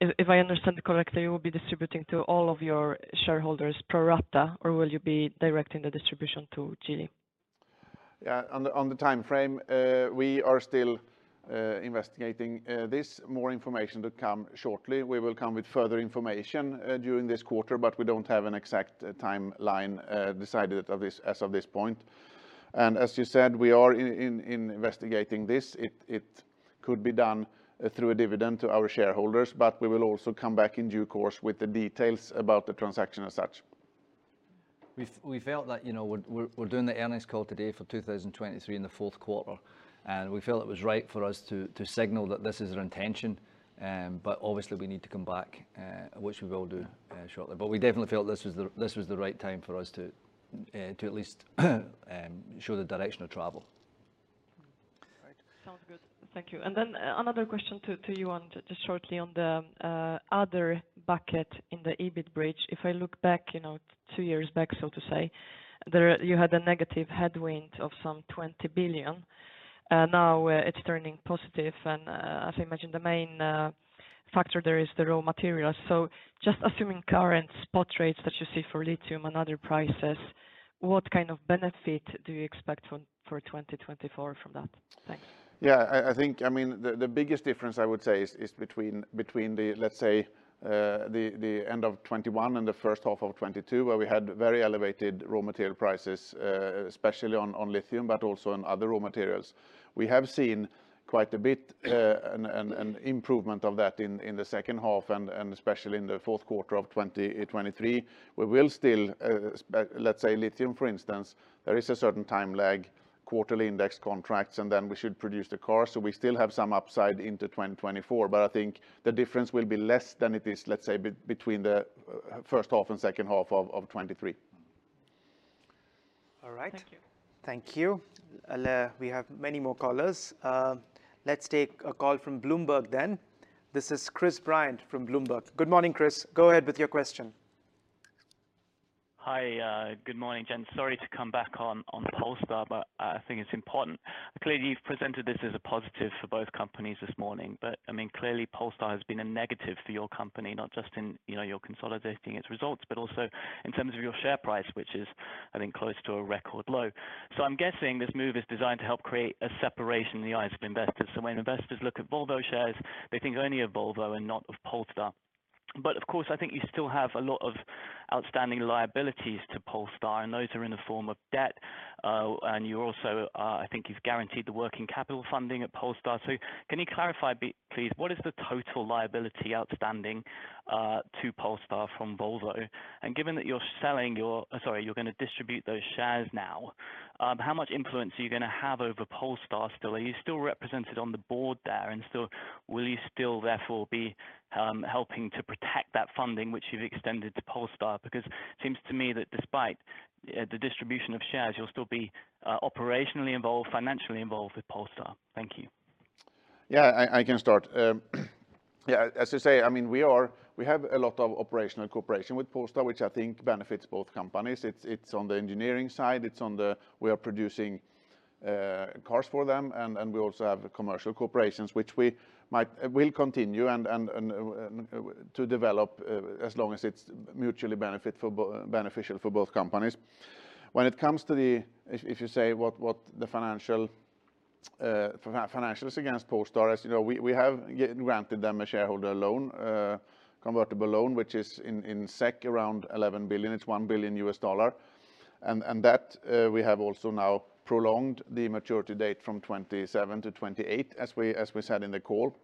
if I understand correctly, you will be distributing to all of your shareholders pro rata, or will you be directing the distribution to Geely? Yeah, on the time frame, we are still investigating this. More information to come shortly. We will come with further information during this quarter, but we don't have an exact timeline decided of this, as of this point. And as you said, we are investigating this. It could be done through a dividend to our shareholders, but we will also come back in due course with the details about the transaction as such. We felt that, you know, we're doing the earnings call today for 2023 in the Q4, and we felt it was right for us to signal that this is our intention. But obviously, we need to come back, which we will do, shortly. But we definitely felt this was the right time for us to at least show the direction of travel. All right. Sounds good. Thank you. And then another question to you, and just shortly on the other bucket in the EBIT bridge. If I look back, you know, two years back, so to say, there you had a negative headwind of some 20 billion. Now it's turning positive, and as I mentioned, the main factor there is the raw materials. So just assuming current spot rates that you see for lithium and other prices, what kind of benefit do you expect for 2024 from that? Thanks. Yeah, I think, I mean, the biggest difference, I would say, is between the, let's say, the end of 2021 and the H1 of 2022, where we had very elevated raw material prices, especially on lithium, but also on other raw materials. We have seen quite a bit, an improvement of that in the H2 and especially in the Q4 of 2023. We will still, let's say lithium, for instance, there is a certain time lag, quarterly index contracts, and then we should produce the car. So we still have some upside into 2024, but I think the difference will be less than it is, let's say, between the H1 and H2 of 2023. All right. Thank you. Thank you. We have many more callers. Let's take a call from Bloomberg then. This is Chris Bryant from Bloomberg. Good morning, Chris. Go ahead with your question. Hi, good morning, gents. Sorry to come back on, on Polestar, but I think it's important. Clearly, you've presented this as a positive for both companies this morning, but, I mean, clearly, Polestar has been a negative for your company, not just in, you know, you're consolidating its results, but also in terms of your share price, which is, I think, close to a record low. So I'm guessing this move is designed to help create a separation in the eyes of investors. So when investors look at Volvo shares, they think only of Volvo and not of Polestar. But of course, I think you still have a lot of outstanding liabilities to Polestar, and those are in the form of debt.... and you're also, I think you've guaranteed the working capital funding at Polestar. So can you clarify please, what is the total liability outstanding to Polestar from Volvo? And given that you're selling your... Sorry, you're gonna distribute those shares now, how much influence are you gonna have over Polestar still? Are you still represented on the board there, and will you still, therefore, be helping to protect that funding which you've extended to Polestar? Because it seems to me that despite the distribution of shares, you'll still be operationally involved, financially involved with Polestar. Thank you. Yeah, I can start. Yeah, as I say, I mean, we have a lot of operational cooperation with Polestar, which I think benefits both companies. It's, it's on the engineering side, it's on the, we are producing cars for them, and we also have commercial corporations, which we will continue and to develop as long as it's mutually beneficial for both companies. When it comes to the... If you say what the financials against Polestar is, you know, we have granted them a shareholder loan, convertible loan, which is in SEK around 11 billion, it's $1 billion. And that we have also now prolonged the maturity date from 2027 to 2028, as we said in the call.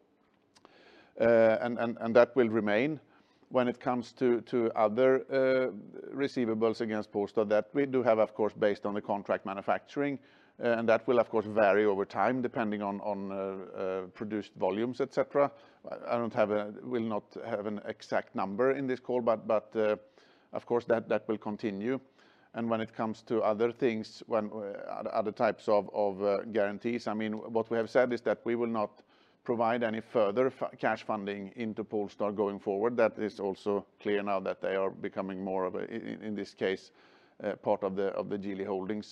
That will remain. When it comes to other receivables against Polestar, that we do have, of course, based on the contract manufacturing, and that will, of course, vary over time, depending on produced volumes, et cetera. I will not have an exact number in this call, but, of course, that will continue. And when it comes to other things, other types of guarantees, I mean, what we have said is that we will not provide any further cash funding into Polestar going forward. That is also clear now that they are becoming more of a, in this case, part of the Geely Holding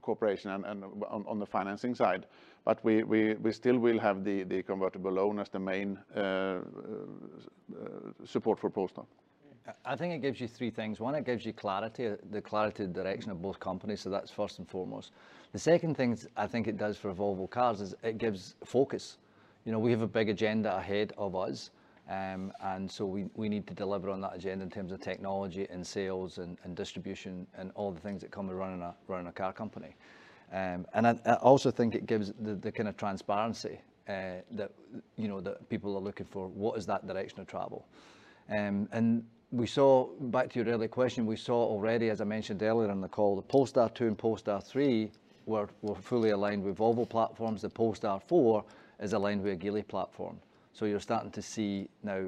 corporation and on the financing side. But we still will have the convertible loan as the main support for Polestar. I think it gives you three things. One, it gives you clarity, the clarity and direction of both companies, so that's first and foremost. The second thing I think it does for Volvo Cars is it gives focus. You know, we have a big agenda ahead of us, and so we need to deliver on that agenda in terms of technology and sales and distribution, and all the things that come with running a car company. And I also think it gives the kind of transparency that you know that people are looking for. What is that direction of travel? And we saw, back to your earlier question, we saw already, as I mentioned earlier on the call, the Polestar 2 and Polestar 3 were fully aligned with Volvo platforms. The Polestar 4 is aligned with a Geely platform. So you're starting to see now,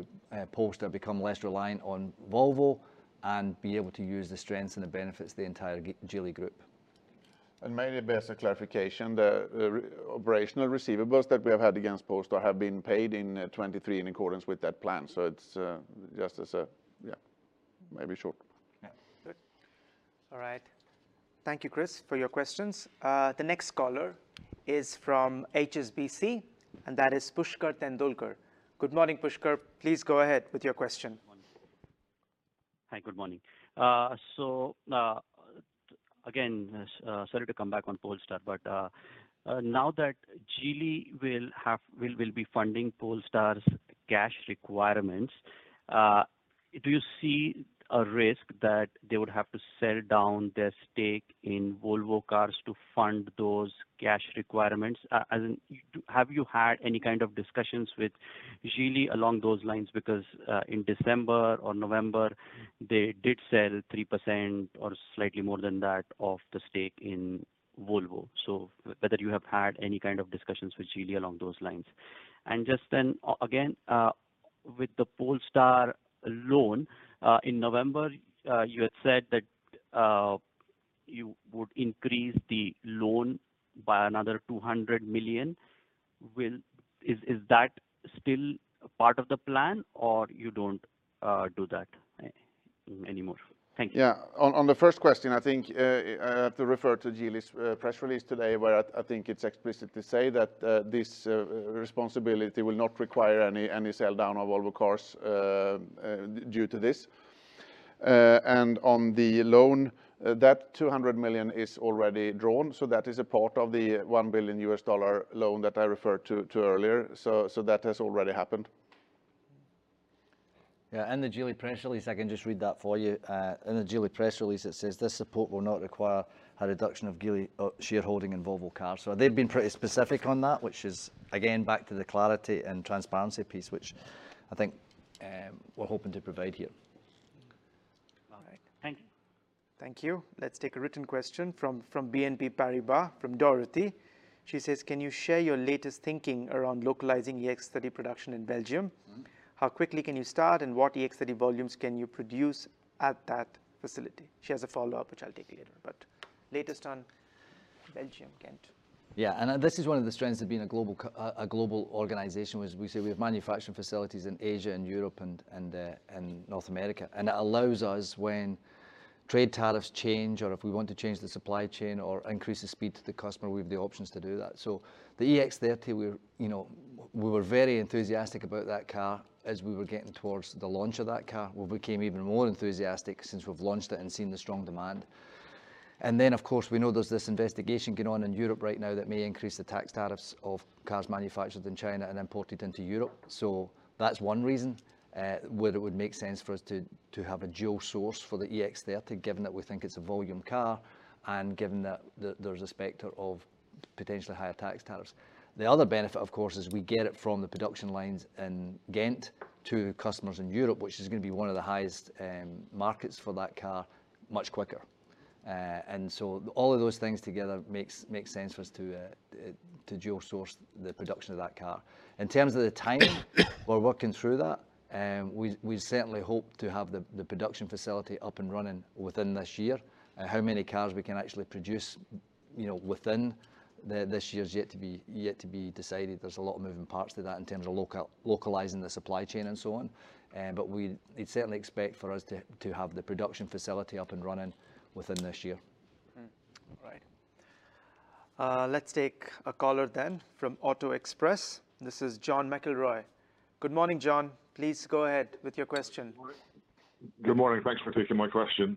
Polestar become less reliant on Volvo and be able to use the strengths and the benefits of the entire Geely group. Maybe as a clarification, the operational receivables that we have had against Polestar have been paid in 2023, in accordance with that plan. So it's just as a... Yeah, maybe short. Yeah. Good. All right. Thank you, Chris, for your questions. The next caller is from HSBC, and that is Pushkar Tendulkar. Good morning, Pushkar. Please go ahead with your question. Morning. Hi, good morning. So, again, sorry to come back on Polestar, but, now that Geely will have- will, will be funding Polestar's cash requirements, do you see a risk that they would have to sell down their stake in Volvo Cars to fund those cash requirements? And do- have you had any kind of discussions with Geely along those lines? Because, in December or November, they did sell 3% or slightly more than that, of the stake in Volvo. So whether you have had any kind of discussions with Geely along those lines. And just then, again, with the Polestar loan, in November, you had said that, you would increase the loan by another $200 million. Is, is that still part of the plan, or you don't do that anymore? Thank you. Yeah. On the first question, I think, I have to refer to Geely's press release today, where I think it's explicit to say that this responsibility will not require any sell down of Volvo Cars due to this. And on the loan, that $200 million is already drawn, so that is a part of the $1 billion U.S. dollar loan that I referred to earlier. So that has already happened. Yeah, and the Geely press release, I can just read that for you. In the Geely press release, it says, "This support will not require a reduction of Geely shareholding in Volvo Cars." So they've been pretty specific on that, which is again, back to the clarity and transparency piece, which I think we're hoping to provide here. All right. Thank you. Thank you. Let's take a written question from BNP Paribas, from Dorothy. She says: "Can you share your latest thinking around localizing the EX30 production in Belgium? Mm-hmm. How quickly can you start, and what EX30 volumes can you produce at that facility?" She has a follow-up, which I'll take later, but latest on Belgium, Ghent. Yeah, and this is one of the strengths of being a global organization, was we say we have manufacturing facilities in Asia and Europe and North America. And it allows us, when trade tariffs change, or if we want to change the supply chain or increase the speed to the customer, we have the options to do that. So the EX30, we're, you know, we were very enthusiastic about that car as we were getting towards the launch of that car. We became even more enthusiastic since we've launched it and seen the strong demand. And then, of course, we know there's this investigation going on in Europe right now that may increase the tax tariffs of cars manufactured in China and imported into Europe. So that's one reason whether it would make sense for us to have a dual source for the EX30, given that we think it's a volume car, and given that there's a specter of potentially higher tax tariffs. The other benefit, of course, is we get it from the production lines in Ghent to customers in Europe, which is gonna be one of the highest markets for that car, much quicker. And so all of those things together makes sense for us to geo-source the production of that car. In terms of the timing, we're working through that. We certainly hope to have the production facility up and running within this year. And how many cars we can actually produce, you know, within this year, is yet to be decided. There's a lot of moving parts to that in terms of localizing the supply chain and so on. But you'd certainly expect for us to have the production facility up and running within this year. Right. Let's take a caller then from Auto Express. This is John McIlroy. Good morning, John. Please go ahead with your question. Good morning. Thanks for taking my question.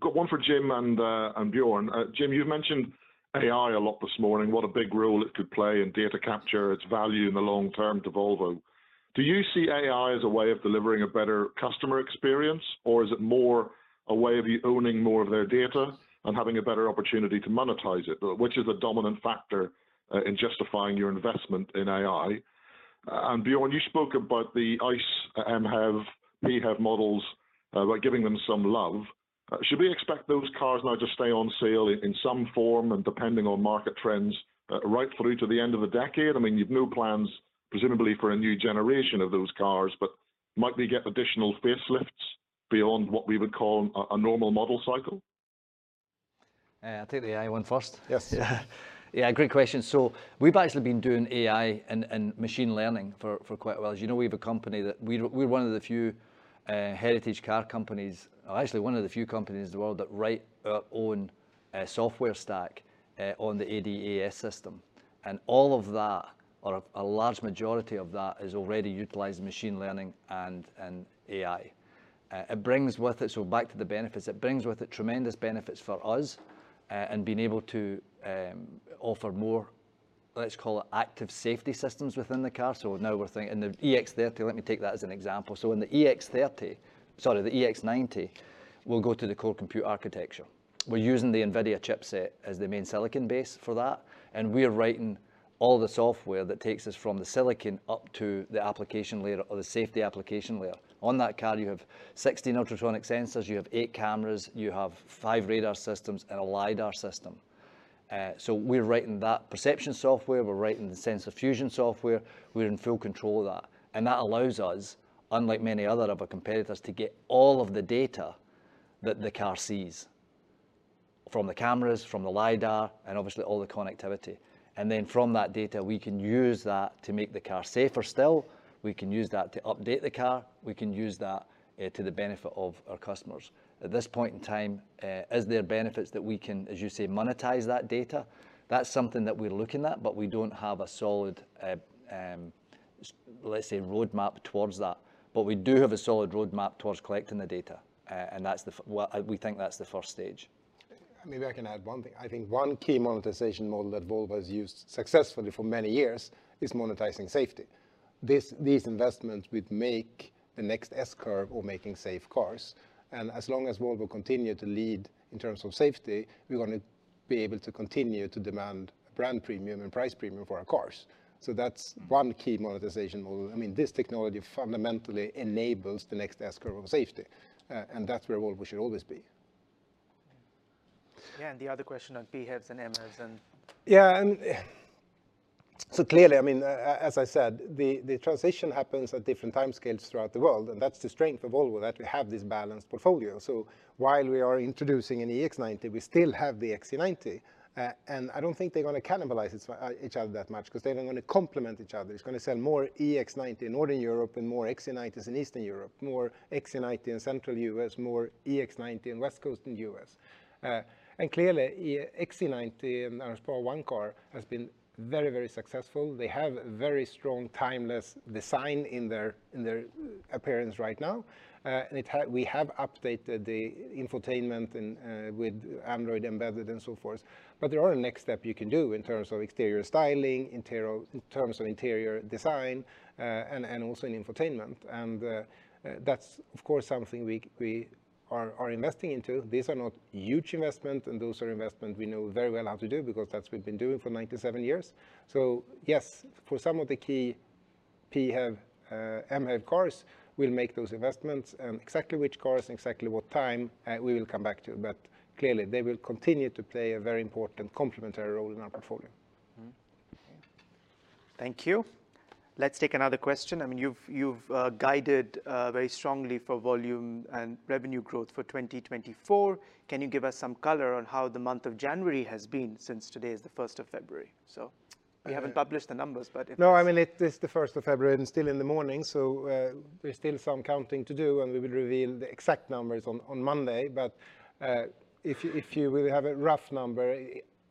Got one for Jim and Björn. Jim, you've mentioned AI a lot this morning, what a big role it could play in data capture, its value in the long term to Volvo. Do you see AI as a way of delivering a better customer experience, or is it more a way of you owning more of their data and having a better opportunity to monetize it? Which is the dominant factor in justifying your investment in AI? And Björn, you spoke about the ICE MHEV, PHEV models about giving them some love. Should we expect those cars now to stay on sale in some form, and depending on market trends right through to the end of the decade? I mean, you've no plans, presumably, for a new generation of those cars, but might we get additional facelifts beyond what we would call a normal model cycle? I'll take the AI one first. Yes. Yeah, great question. So we've actually been doing AI and machine learning for quite a while. As you know, we're one of the few heritage car companies, or actually one of the few companies in the world, that write our own software stack on the ADAS system. And all of that, or a large majority of that, is already utilizing machine learning and AI. It brings with it... So back to the benefits, it brings with it tremendous benefits for us in being able to offer more, let's call it, active safety systems within the car. So now we're thinking, in the EX30, let me take that as an example. So in the EX30, sorry, the EX90, we'll go to the core compute architecture. We're using the NVIDIA chipset as the main silicon base for that, and we are writing all the software that takes us from the silicon up to the application layer or the safety application layer. On that car you have 16 ultrasonic sensors, you have eight cameras, you have five radar systems, and a LiDAR system. So we're writing that perception software, we're writing the sensor fusion software. We're in full control of that. And that allows us, unlike many other of our competitors, to get all of the data that the car sees, from the cameras, from the LiDAR, and obviously all the connectivity. And then from that data, we can use that to make the car safer still, we can use that to update the car, we can use that to the benefit of our customers. At this point in time, as there are benefits that we can, as you say, monetize that data, that's something that we're looking at, but we don't have a solid, let's say, roadmap towards that. But we do have a solid roadmap towards collecting the data. And that's the—well, we think that's the first stage. Maybe I can add one thing. I think one key monetization model that Volvo has used successfully for many years is monetizing safety. This, these investments will make the next S-curve or making safe cars, and as long as Volvo continue to lead in terms of safety, we're gonna be able to continue to demand a brand premium and price premium for our cars. So that's one key monetization model. I mean, this technology fundamentally enables the next S-curve of safety. And that's where Volvo should always be. Yeah, and the other question on PHEVs and MHEVs and- Yeah, and so clearly, I mean, as I said, the transition happens at different timescales throughout the world, and that's the strength of Volvo, that we have this balanced portfolio. So while we are introducing an EX90, we still have the XC90. And I don't think they're gonna cannibalize each other that much, 'cause they are gonna complement each other. It's gonna sell more EX90 in Northern Europe and more XC90s in Eastern Europe, more XC90 in central U.S., more EX90 in West Coast in the U.S. And clearly, EX90 and our Polestar 1 car has been very, very successful. They have very strong, timeless design in their appearance right now. And we have updated the infotainment and with Android Embedded and so forth. But there are a next step you can do in terms of exterior styling, in terms of interior design, and also in infotainment. And, that's, of course, something we are investing into. These are not huge investment, and those are investment we know very well how to do because that's what we've been doing for 97 years. So yes, for some of the key PHEV, MHEV cars, we'll make those investments. And exactly which cars and exactly what time, we will come back to you. But clearly, they will continue to play a very important complementary role in our portfolio. Mm-hmm. Okay. Thank you. Let's take another question. I mean, you've guided very strongly for volume and revenue growth for 2024. Can you give us some color on how the month of January has been since today is the 1st of February? So you haven't published the numbers, but if- No, I mean, it's the 1st of February and still in the morning, so there's still some counting to do, and we will reveal the exact numbers on Monday. But if you will have a rough number,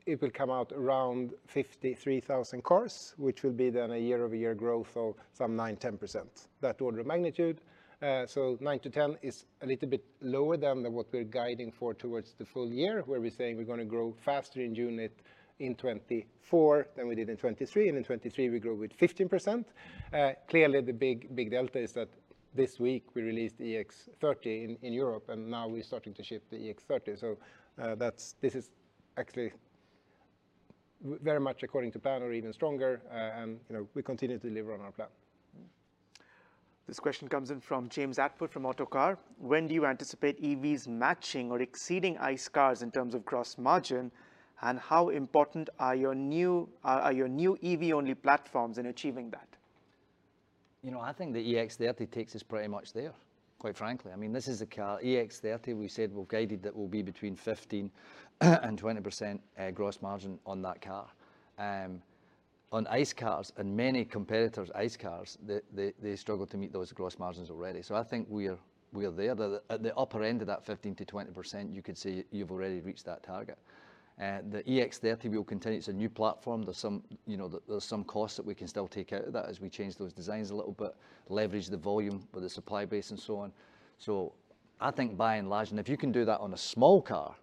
it will come out around 53,000 cars, which will be then a year-over-year growth of some 9% to 10%. That order of magnitude. So 9% to 10% is a little bit lower than what we're guiding for towards the full year, where we're saying we're gonna grow faster in unit-... in 2024 than we did in 2023, and in 2023 we grew with 15%. Clearly, the big, big delta is that this week we released the EX30 in Europe, and now we're starting to ship the EX30. So, this is actually very much according to plan or even stronger, and, you know, we continue to deliver on our plan. This question comes in from James Atwood from Autocar: "When do you anticipate EVs matching or exceeding ICE cars in terms of gross margin? And how important are your new EV-only platforms in achieving that? You know, I think the EX30 takes us pretty much there, quite frankly. I mean, this is a car, EX30, we said we've guided that will be between 15% and 20% gross margin on that car. On ICE cars, and many competitors' ICE cars, they struggle to meet those gross margins already. So I think we are there. At the upper end of that 15%-20%, you could say you've already reached that target. And the EX30, we will continue. It's a new platform. There's some, you know, there's some costs that we can still take out of that as we change those designs a little bit, leverage the volume with the supply base, and so on. So I think by and large, and if you can do that on a small car,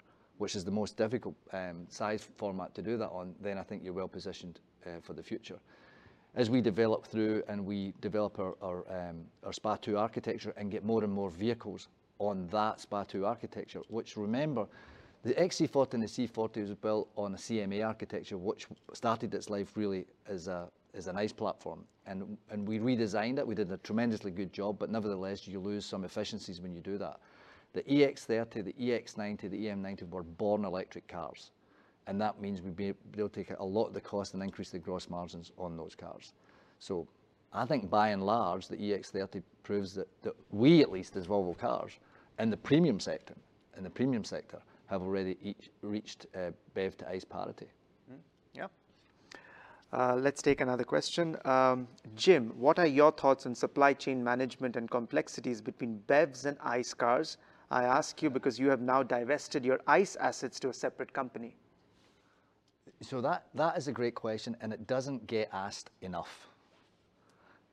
which is the most difficult size format to do that on, then I think you're well positioned for the future. As we develop through and we develop our SPA2 architecture and get more and more vehicles on that SPA2 architecture, which remember, the XC40 and the C40 was built on a CMA architecture, which started its life really as an ICE platform. And we redesigned it. We did a tremendously good job, but nevertheless, you lose some efficiencies when you do that. The EX30, the EX90, the EM90, were born electric cars, and that means we'll take out a lot of the cost and increase the gross margins on those cars. So I think by and large, the EX30 proves that we at least, as Volvo Cars, in the premium sector, in the premium sector, have already reached BEV to ICE parity. Mm-hmm. Yeah. Let's take another question. Jim, "What are your thoughts on supply chain management and complexities between BEVs and ICE cars? I ask you because you have now divested your ICE assets to a separate company. So, that is a great question, and it doesn't get asked enough.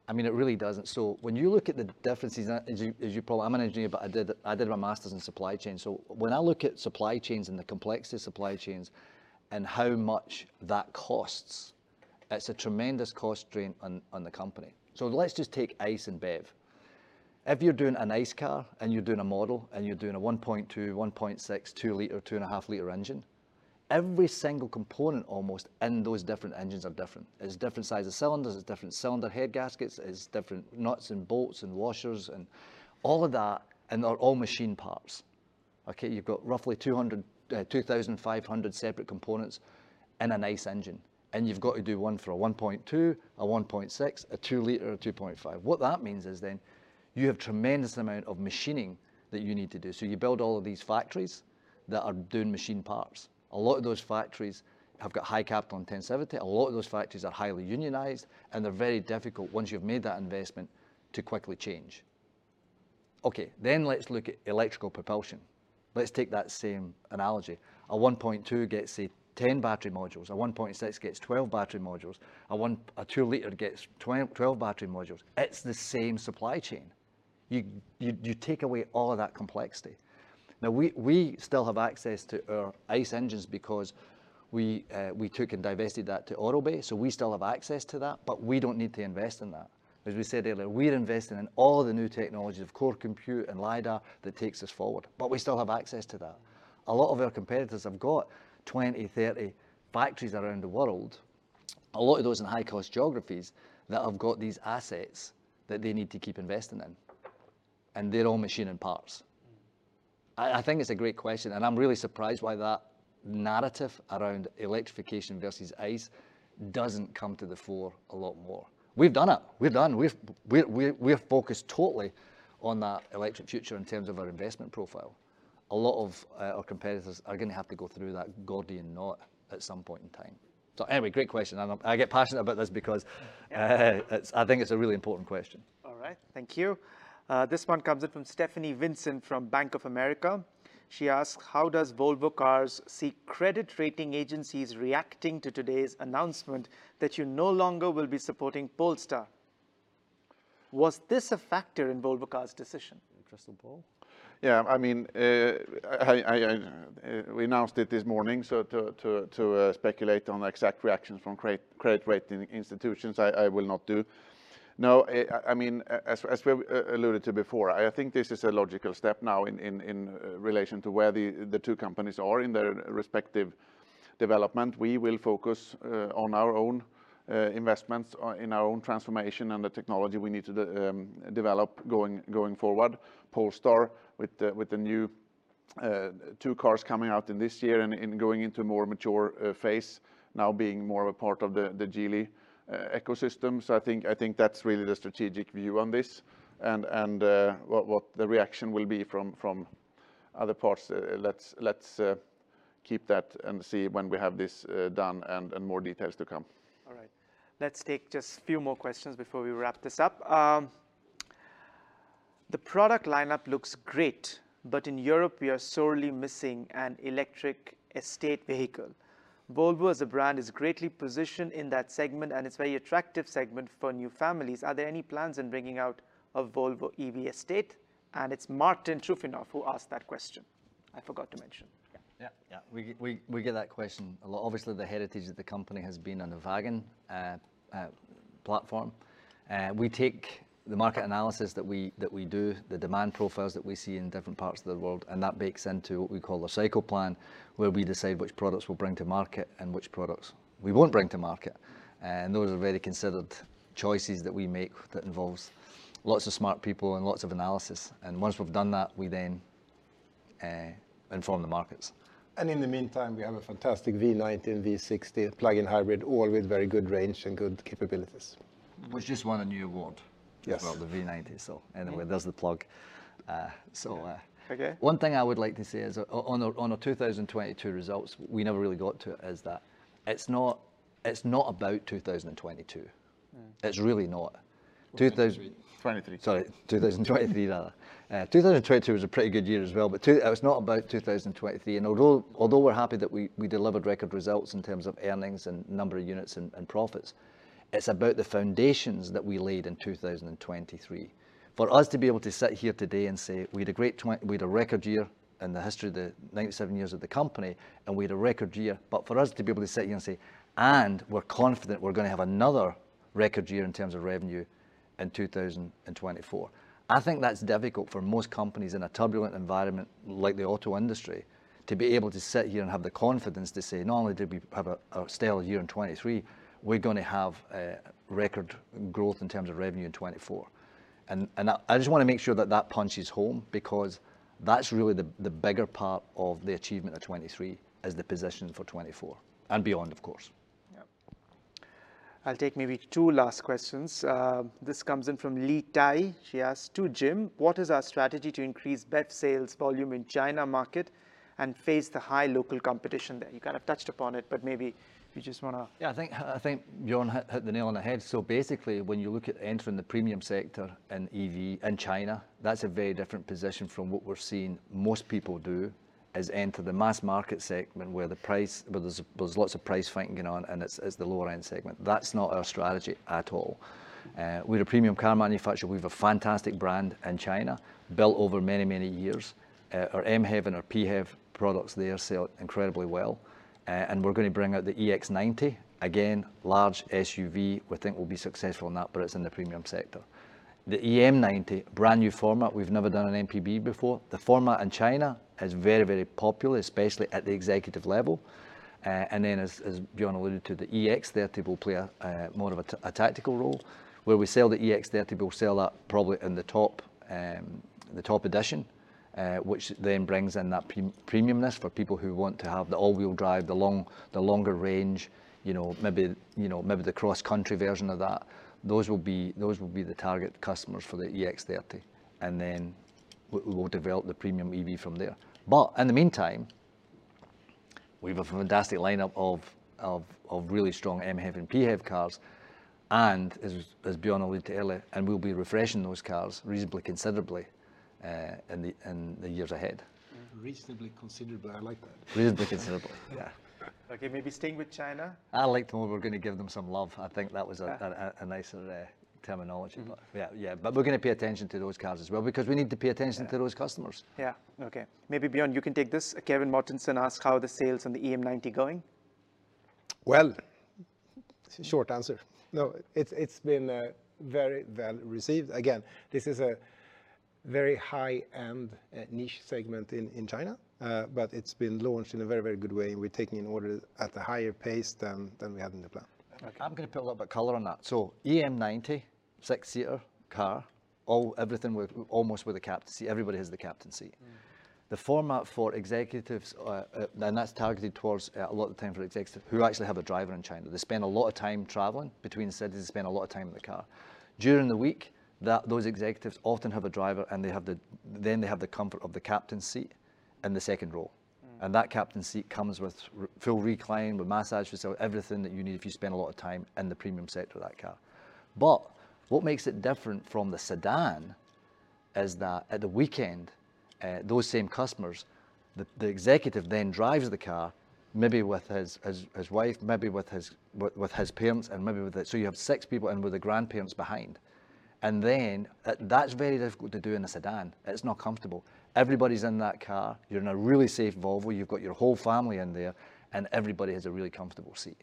I mean, it really doesn't. So when you look at the differences as you probably... I'm an engineer, but I did my master's in supply chain. So when I look at supply chains and the complexity of supply chains and how much that costs, it's a tremendous cost drain on the company. So let's just take ICE and BEV. If you're doing an ICE car, and you're doing a model, and you're doing a 1.2, 1.6, 2-liter, 2.5-liter engine, every single component almost in those different engines are different. There's different sizes of cylinders, there's different cylinder head gaskets, there's different nuts and bolts and washers and all of that, and they're all machine parts. Okay, you've got roughly 200, 2,500 separate components in an ICE engine, and you've got to do one for a 1.2, a 1.6, a 2-liter, a 2.5. What that means is then you have tremendous amount of machining that you need to do. So you build all of these factories that are doing machine parts. A lot of those factories have got high capital intensity, a lot of those factories are highly unionized, and they're very difficult, once you've made that investment, to quickly change. Okay, then let's look at electrical propulsion. Let's take that same analogy. A 1.2 gets, say, 10 battery modules, a 1.6 gets 12 battery modules, a 2-liter gets 12 battery modules. It's the same supply chain. You take away all of that complexity. Now, we still have access to our ICE engines because we took and divested that to Aurobay, so we still have access to that, but we don't need to invest in that. As we said earlier, we're investing in all the new technologies of core compute and LiDAR that takes us forward, but we still have access to that. A lot of our competitors have got 20, 30 factories around the world, a lot of those in high-cost geographies, that have got these assets that they need to keep investing in, and they're all machining parts. I think it's a great question, and I'm really surprised why that narrative around electrification versus ICE doesn't come to the fore a lot more. We've done it. We're done. We're focused totally on that electric future in terms of our investment profile. A lot of our competitors are gonna have to go through that Gordian knot at some point in time. So anyway, great question, and I get passionate about this because it's, I think it's a really important question. All right, thank you. This one comes in from Stephanie Vincent, from Bank of America. She asks, "How does Volvo Cars see credit rating agencies reacting to today's announcement that you no longer will be supporting Polestar? Was this a factor in Volvo Cars' decision? Interesting. Paul? Yeah, I mean, we announced it this morning, so to speculate on the exact reactions from credit rating institutions, I will not do. No, I mean, as we've alluded to before, I think this is a logical step now in relation to where the two companies are in their respective development. We will focus on our own investments, or in our own transformation and the technology we need to develop going forward. Polestar, with the new two cars coming out in this year and going into a more mature phase, now being more of a part of the Geely ecosystem. So I think that's really the strategic view on this, and what the reaction will be from other parts. Let's keep that and see when we have this done, and more details to come. All right. Let's take just a few more questions before we wrap this up. "The product lineup looks great, but in Europe, we are sorely missing an electric estate vehicle. Volvo as a brand is greatly positioned in that segment, and it's a very attractive segment for new families. Are there any plans in bringing out a Volvo EV estate?" And it's Martin Trufinov who asked that question.... I forgot to mention. Yeah, yeah. We, we, we get that question a lot. Obviously, the heritage of the company has been on a wagon platform. We take the market analysis that we, that we do, the demand profiles that we see in different parts of the world, and that bakes into what we call a cycle plan, where we decide which products we'll bring to market and which products we won't bring to market. And those are very considered choices that we make, that involves lots of smart people and lots of analysis. And once we've done that, we then inform the markets. In the meantime, we have a fantastic V90 and V60 plug-in hybrid, all with very good range and good capabilities. Which just won a new award- Yes -as well, the V90. So anyway, there's the plug. Okay... One thing I would like to say is, on a 2022 results, we never really got to it, is that it's not about 2022. Mm. It's really not. 2023- '23. Sorry, 2023, rather. 2022 was a pretty good year as well, but it's not about 2023. And although we're happy that we delivered record results in terms of earnings and number of units and profits, it's about the foundations that we laid in 2023. For us to be able to sit here today and say, "We had a great twenty... We had a record year in the history of the 97 years of the company, and we had a record year, but for us to be able to sit here and say, "And we're confident we're gonna have another record year in terms of revenue in 2024," I think that's difficult for most companies in a turbulent environment, like the auto industry, to be able to sit here and have the confidence to say, "Not only did we have a stellar year in 2023, we're gonna have a record growth in terms of revenue in 2024." And I just wanna make sure that that punches home, because that's really the bigger part of the achievement of 2023, is the position for 2024, and beyond, of course. Yep. I'll take maybe two last questions. This comes in from Li Tai. She asks, "To Jim, what is our strategy to increase BEV sales volume in China market and face the high local competition there?" You kind of touched upon it, but maybe you just wanna- Yeah, I think Björn hit the nail on the head. So basically, when you look at entering the premium sector and EV in China, that's a very different position from what we're seeing most people do, is enter the mass market segment, where the price... Where there's lots of price fighting going on, and it's the lower end segment. That's not our strategy at all. We're a premium car manufacturer. We've a fantastic brand in China, built over many, many years. Our MHEV and our PHEV products, they sell incredibly well. And we're gonna bring out the EX90, again, large SUV. We think we'll be successful in that, but it's in the premium sector. The EM90, brand-new format, we've never done an MPV before. The format in China is very, very popular, especially at the executive level. And then as Björn alluded to, the EX30 will play a more of a tactical role, where we sell the EX30, we'll sell that probably in the top edition, which then brings in that premium-ness for people who want to have the all-wheel drive, the longer range, you know, maybe, you know, maybe the cross country version of that. Those will be, those will be the target customers for the EX30, and then we will develop the premium EV from there. But in the meantime, we've a fantastic lineup of really strong MHEV and PHEV cars, and as Björn alluded to earlier, we'll be refreshing those cars reasonably considerably in the years ahead. Reasonably considerably, I like that. Reasonably considerably, yeah. Okay, maybe staying with China? I like the way we're gonna give them some love. I think that was a nicer terminology. Love. Yeah, yeah. But we're gonna pay attention to those cars as well, because we need to pay attention- Yeah... to those customers. Yeah. Okay, maybe Björn, you can take this. Kevin Mortensen asks, "How are the sales on the EM90 going? Well, short answer. No, it's, it's been very well received. Again, this is a very high-end niche segment in China. But it's been launched in a very, very good way, and we're taking in orders at a higher pace than we had in the plan. I'm gonna put a little bit color on that. So EM90, 6-seater car, all, everything with, almost with a captain seat. Everybody has the captain seat. Mm. The format for executives, and that's targeted towards a lot of the time for executives who actually have a driver in China. They spend a lot of time traveling between cities. They spend a lot of time in the car. During the week, those executives often have a driver, and then they have the comfort of the captain seat in the second row. Mm. And that captain seat comes with full recline, with massage, so everything that you need if you spend a lot of time in the premium seat of that car. But what makes it different from the sedan is that at the weekend, those same customers, the executive then drives the car, maybe with his wife, maybe with his parents, and maybe with his... So you have six people, and with the grandparents behind. And then, that's very difficult to do in a sedan. It's not comfortable. Everybody's in that car. You're in a really safe Volvo. You've got your whole family in there, and everybody has a really comfortable seat.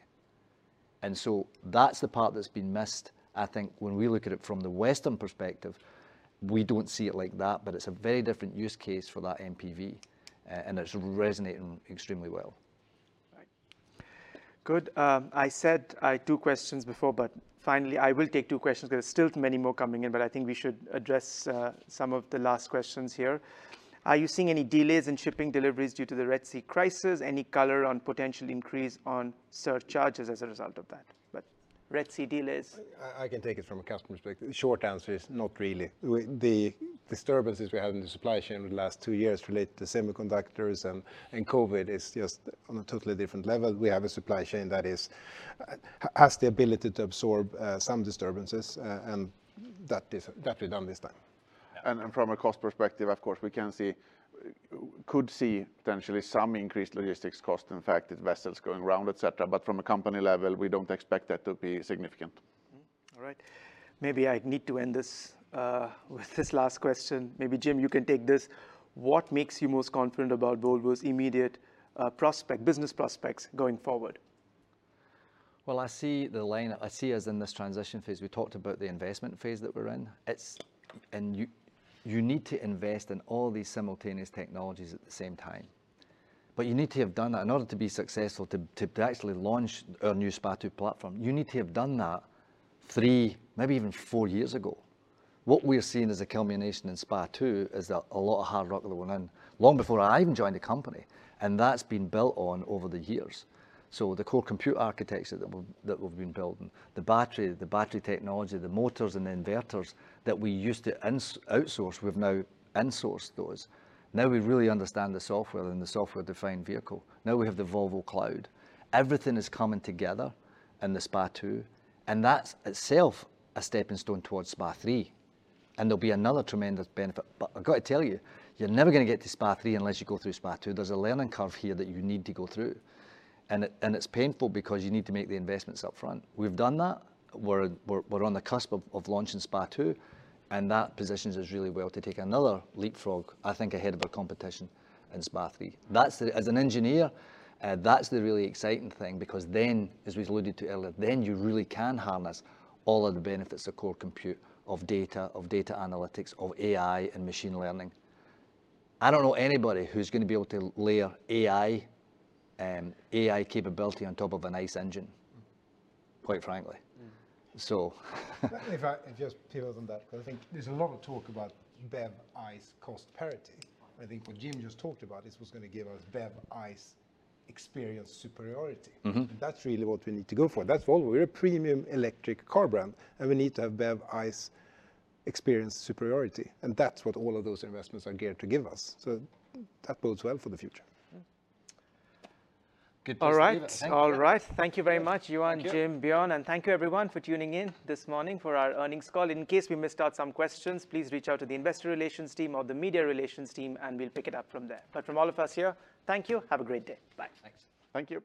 And so that's the part that's been missed. I think when we look at it from the Western perspective, we don't see it like that, but it's a very different use case for that MPV, and it's resonating extremely well. Right. Good. I said two questions before, but finally, I will take two questions. There are still many more coming in, but I think we should address some of the last questions here. "Are you seeing any delays in shipping deliveries due to the Red Sea crisis? Any color on potential increase on surcharges as a result of that?" But Red Sea delays. I can take it from a customer perspective. The short answer is not really. The disturbances we had in the supply chain over the last two years related to semiconductors and COVID is just on a totally different level. We have a supply chain that is, has the ability to absorb some disturbances, and that is, that we've done this time. Yeah. And from a cost perspective, of course, we can see, could see potentially some increased logistics cost, in fact, with vessels going around, et cetera, but from a company level, we don't expect that to be significant.... All right. Maybe I need to end this with this last question. Maybe, Jim, you can take this: What makes you most confident about Volvo's immediate prospect, business prospects going forward? Well, I see us in this transition phase. We talked about the investment phase that we're in. It's... And you need to invest in all these simultaneous technologies at the same time. But you need to have done that in order to be successful, to actually launch our new SPA2 platform, you need to have done that three, maybe even four years ago. What we're seeing as a culmination in SPA2 is that a lot of hard work that went in long before I even joined the company, and that's been built on over the years. So the Core Compute architecture that we've been building, the battery technology, the motors and inverters that we used to outsource, we've now insourced those. Now we really understand the software and the software-defined vehicle. Now we have the Volvo cloud. Everything is coming together in the SPA2, and that's itself a stepping stone towards SPA3, and there'll be another tremendous benefit. But I've got to tell you, you're never gonna get to SPA3 unless you go through SPA2. There's a learning curve here that you need to go through, and it's painful because you need to make the investments upfront. We've done that. We're on the cusp of launching SPA2, and that positions us really well to take another leapfrog, I think, ahead of our competition in SPA3. That's the... As an engineer, that's the really exciting thing because then, as we've alluded to earlier, then you really can harness all of the benefits of Core Compute, of data, of data analytics, of AI and machine learning. I don't know anybody who's gonna be able to layer AI, AI capability on top of an ICE engine, quite frankly. So If I can just pivot on that, 'cause I think there's a lot of talk about BEV, ICE cost parity. I think what Jim just talked about, this was gonna give us BEV, ICE experience superiority. Mm-hmm. That's really what we need to go for. That's Volvo. We're a premium electric car brand, and we need to have BEV, ICE experience superiority, and that's what all of those investments are geared to give us. So that bodes well for the future. Good. All right. Thank you. All right. Thank you very much, Johan- Thank you... Jim, Björn, and thank you everyone for tuning in this morning for our earnings call. In case we missed out some questions, please reach out to the investor relations team or the media relations team, and we'll pick it up from there. But from all of us here, thank you. Have a great day. Bye. Thanks. Thank you.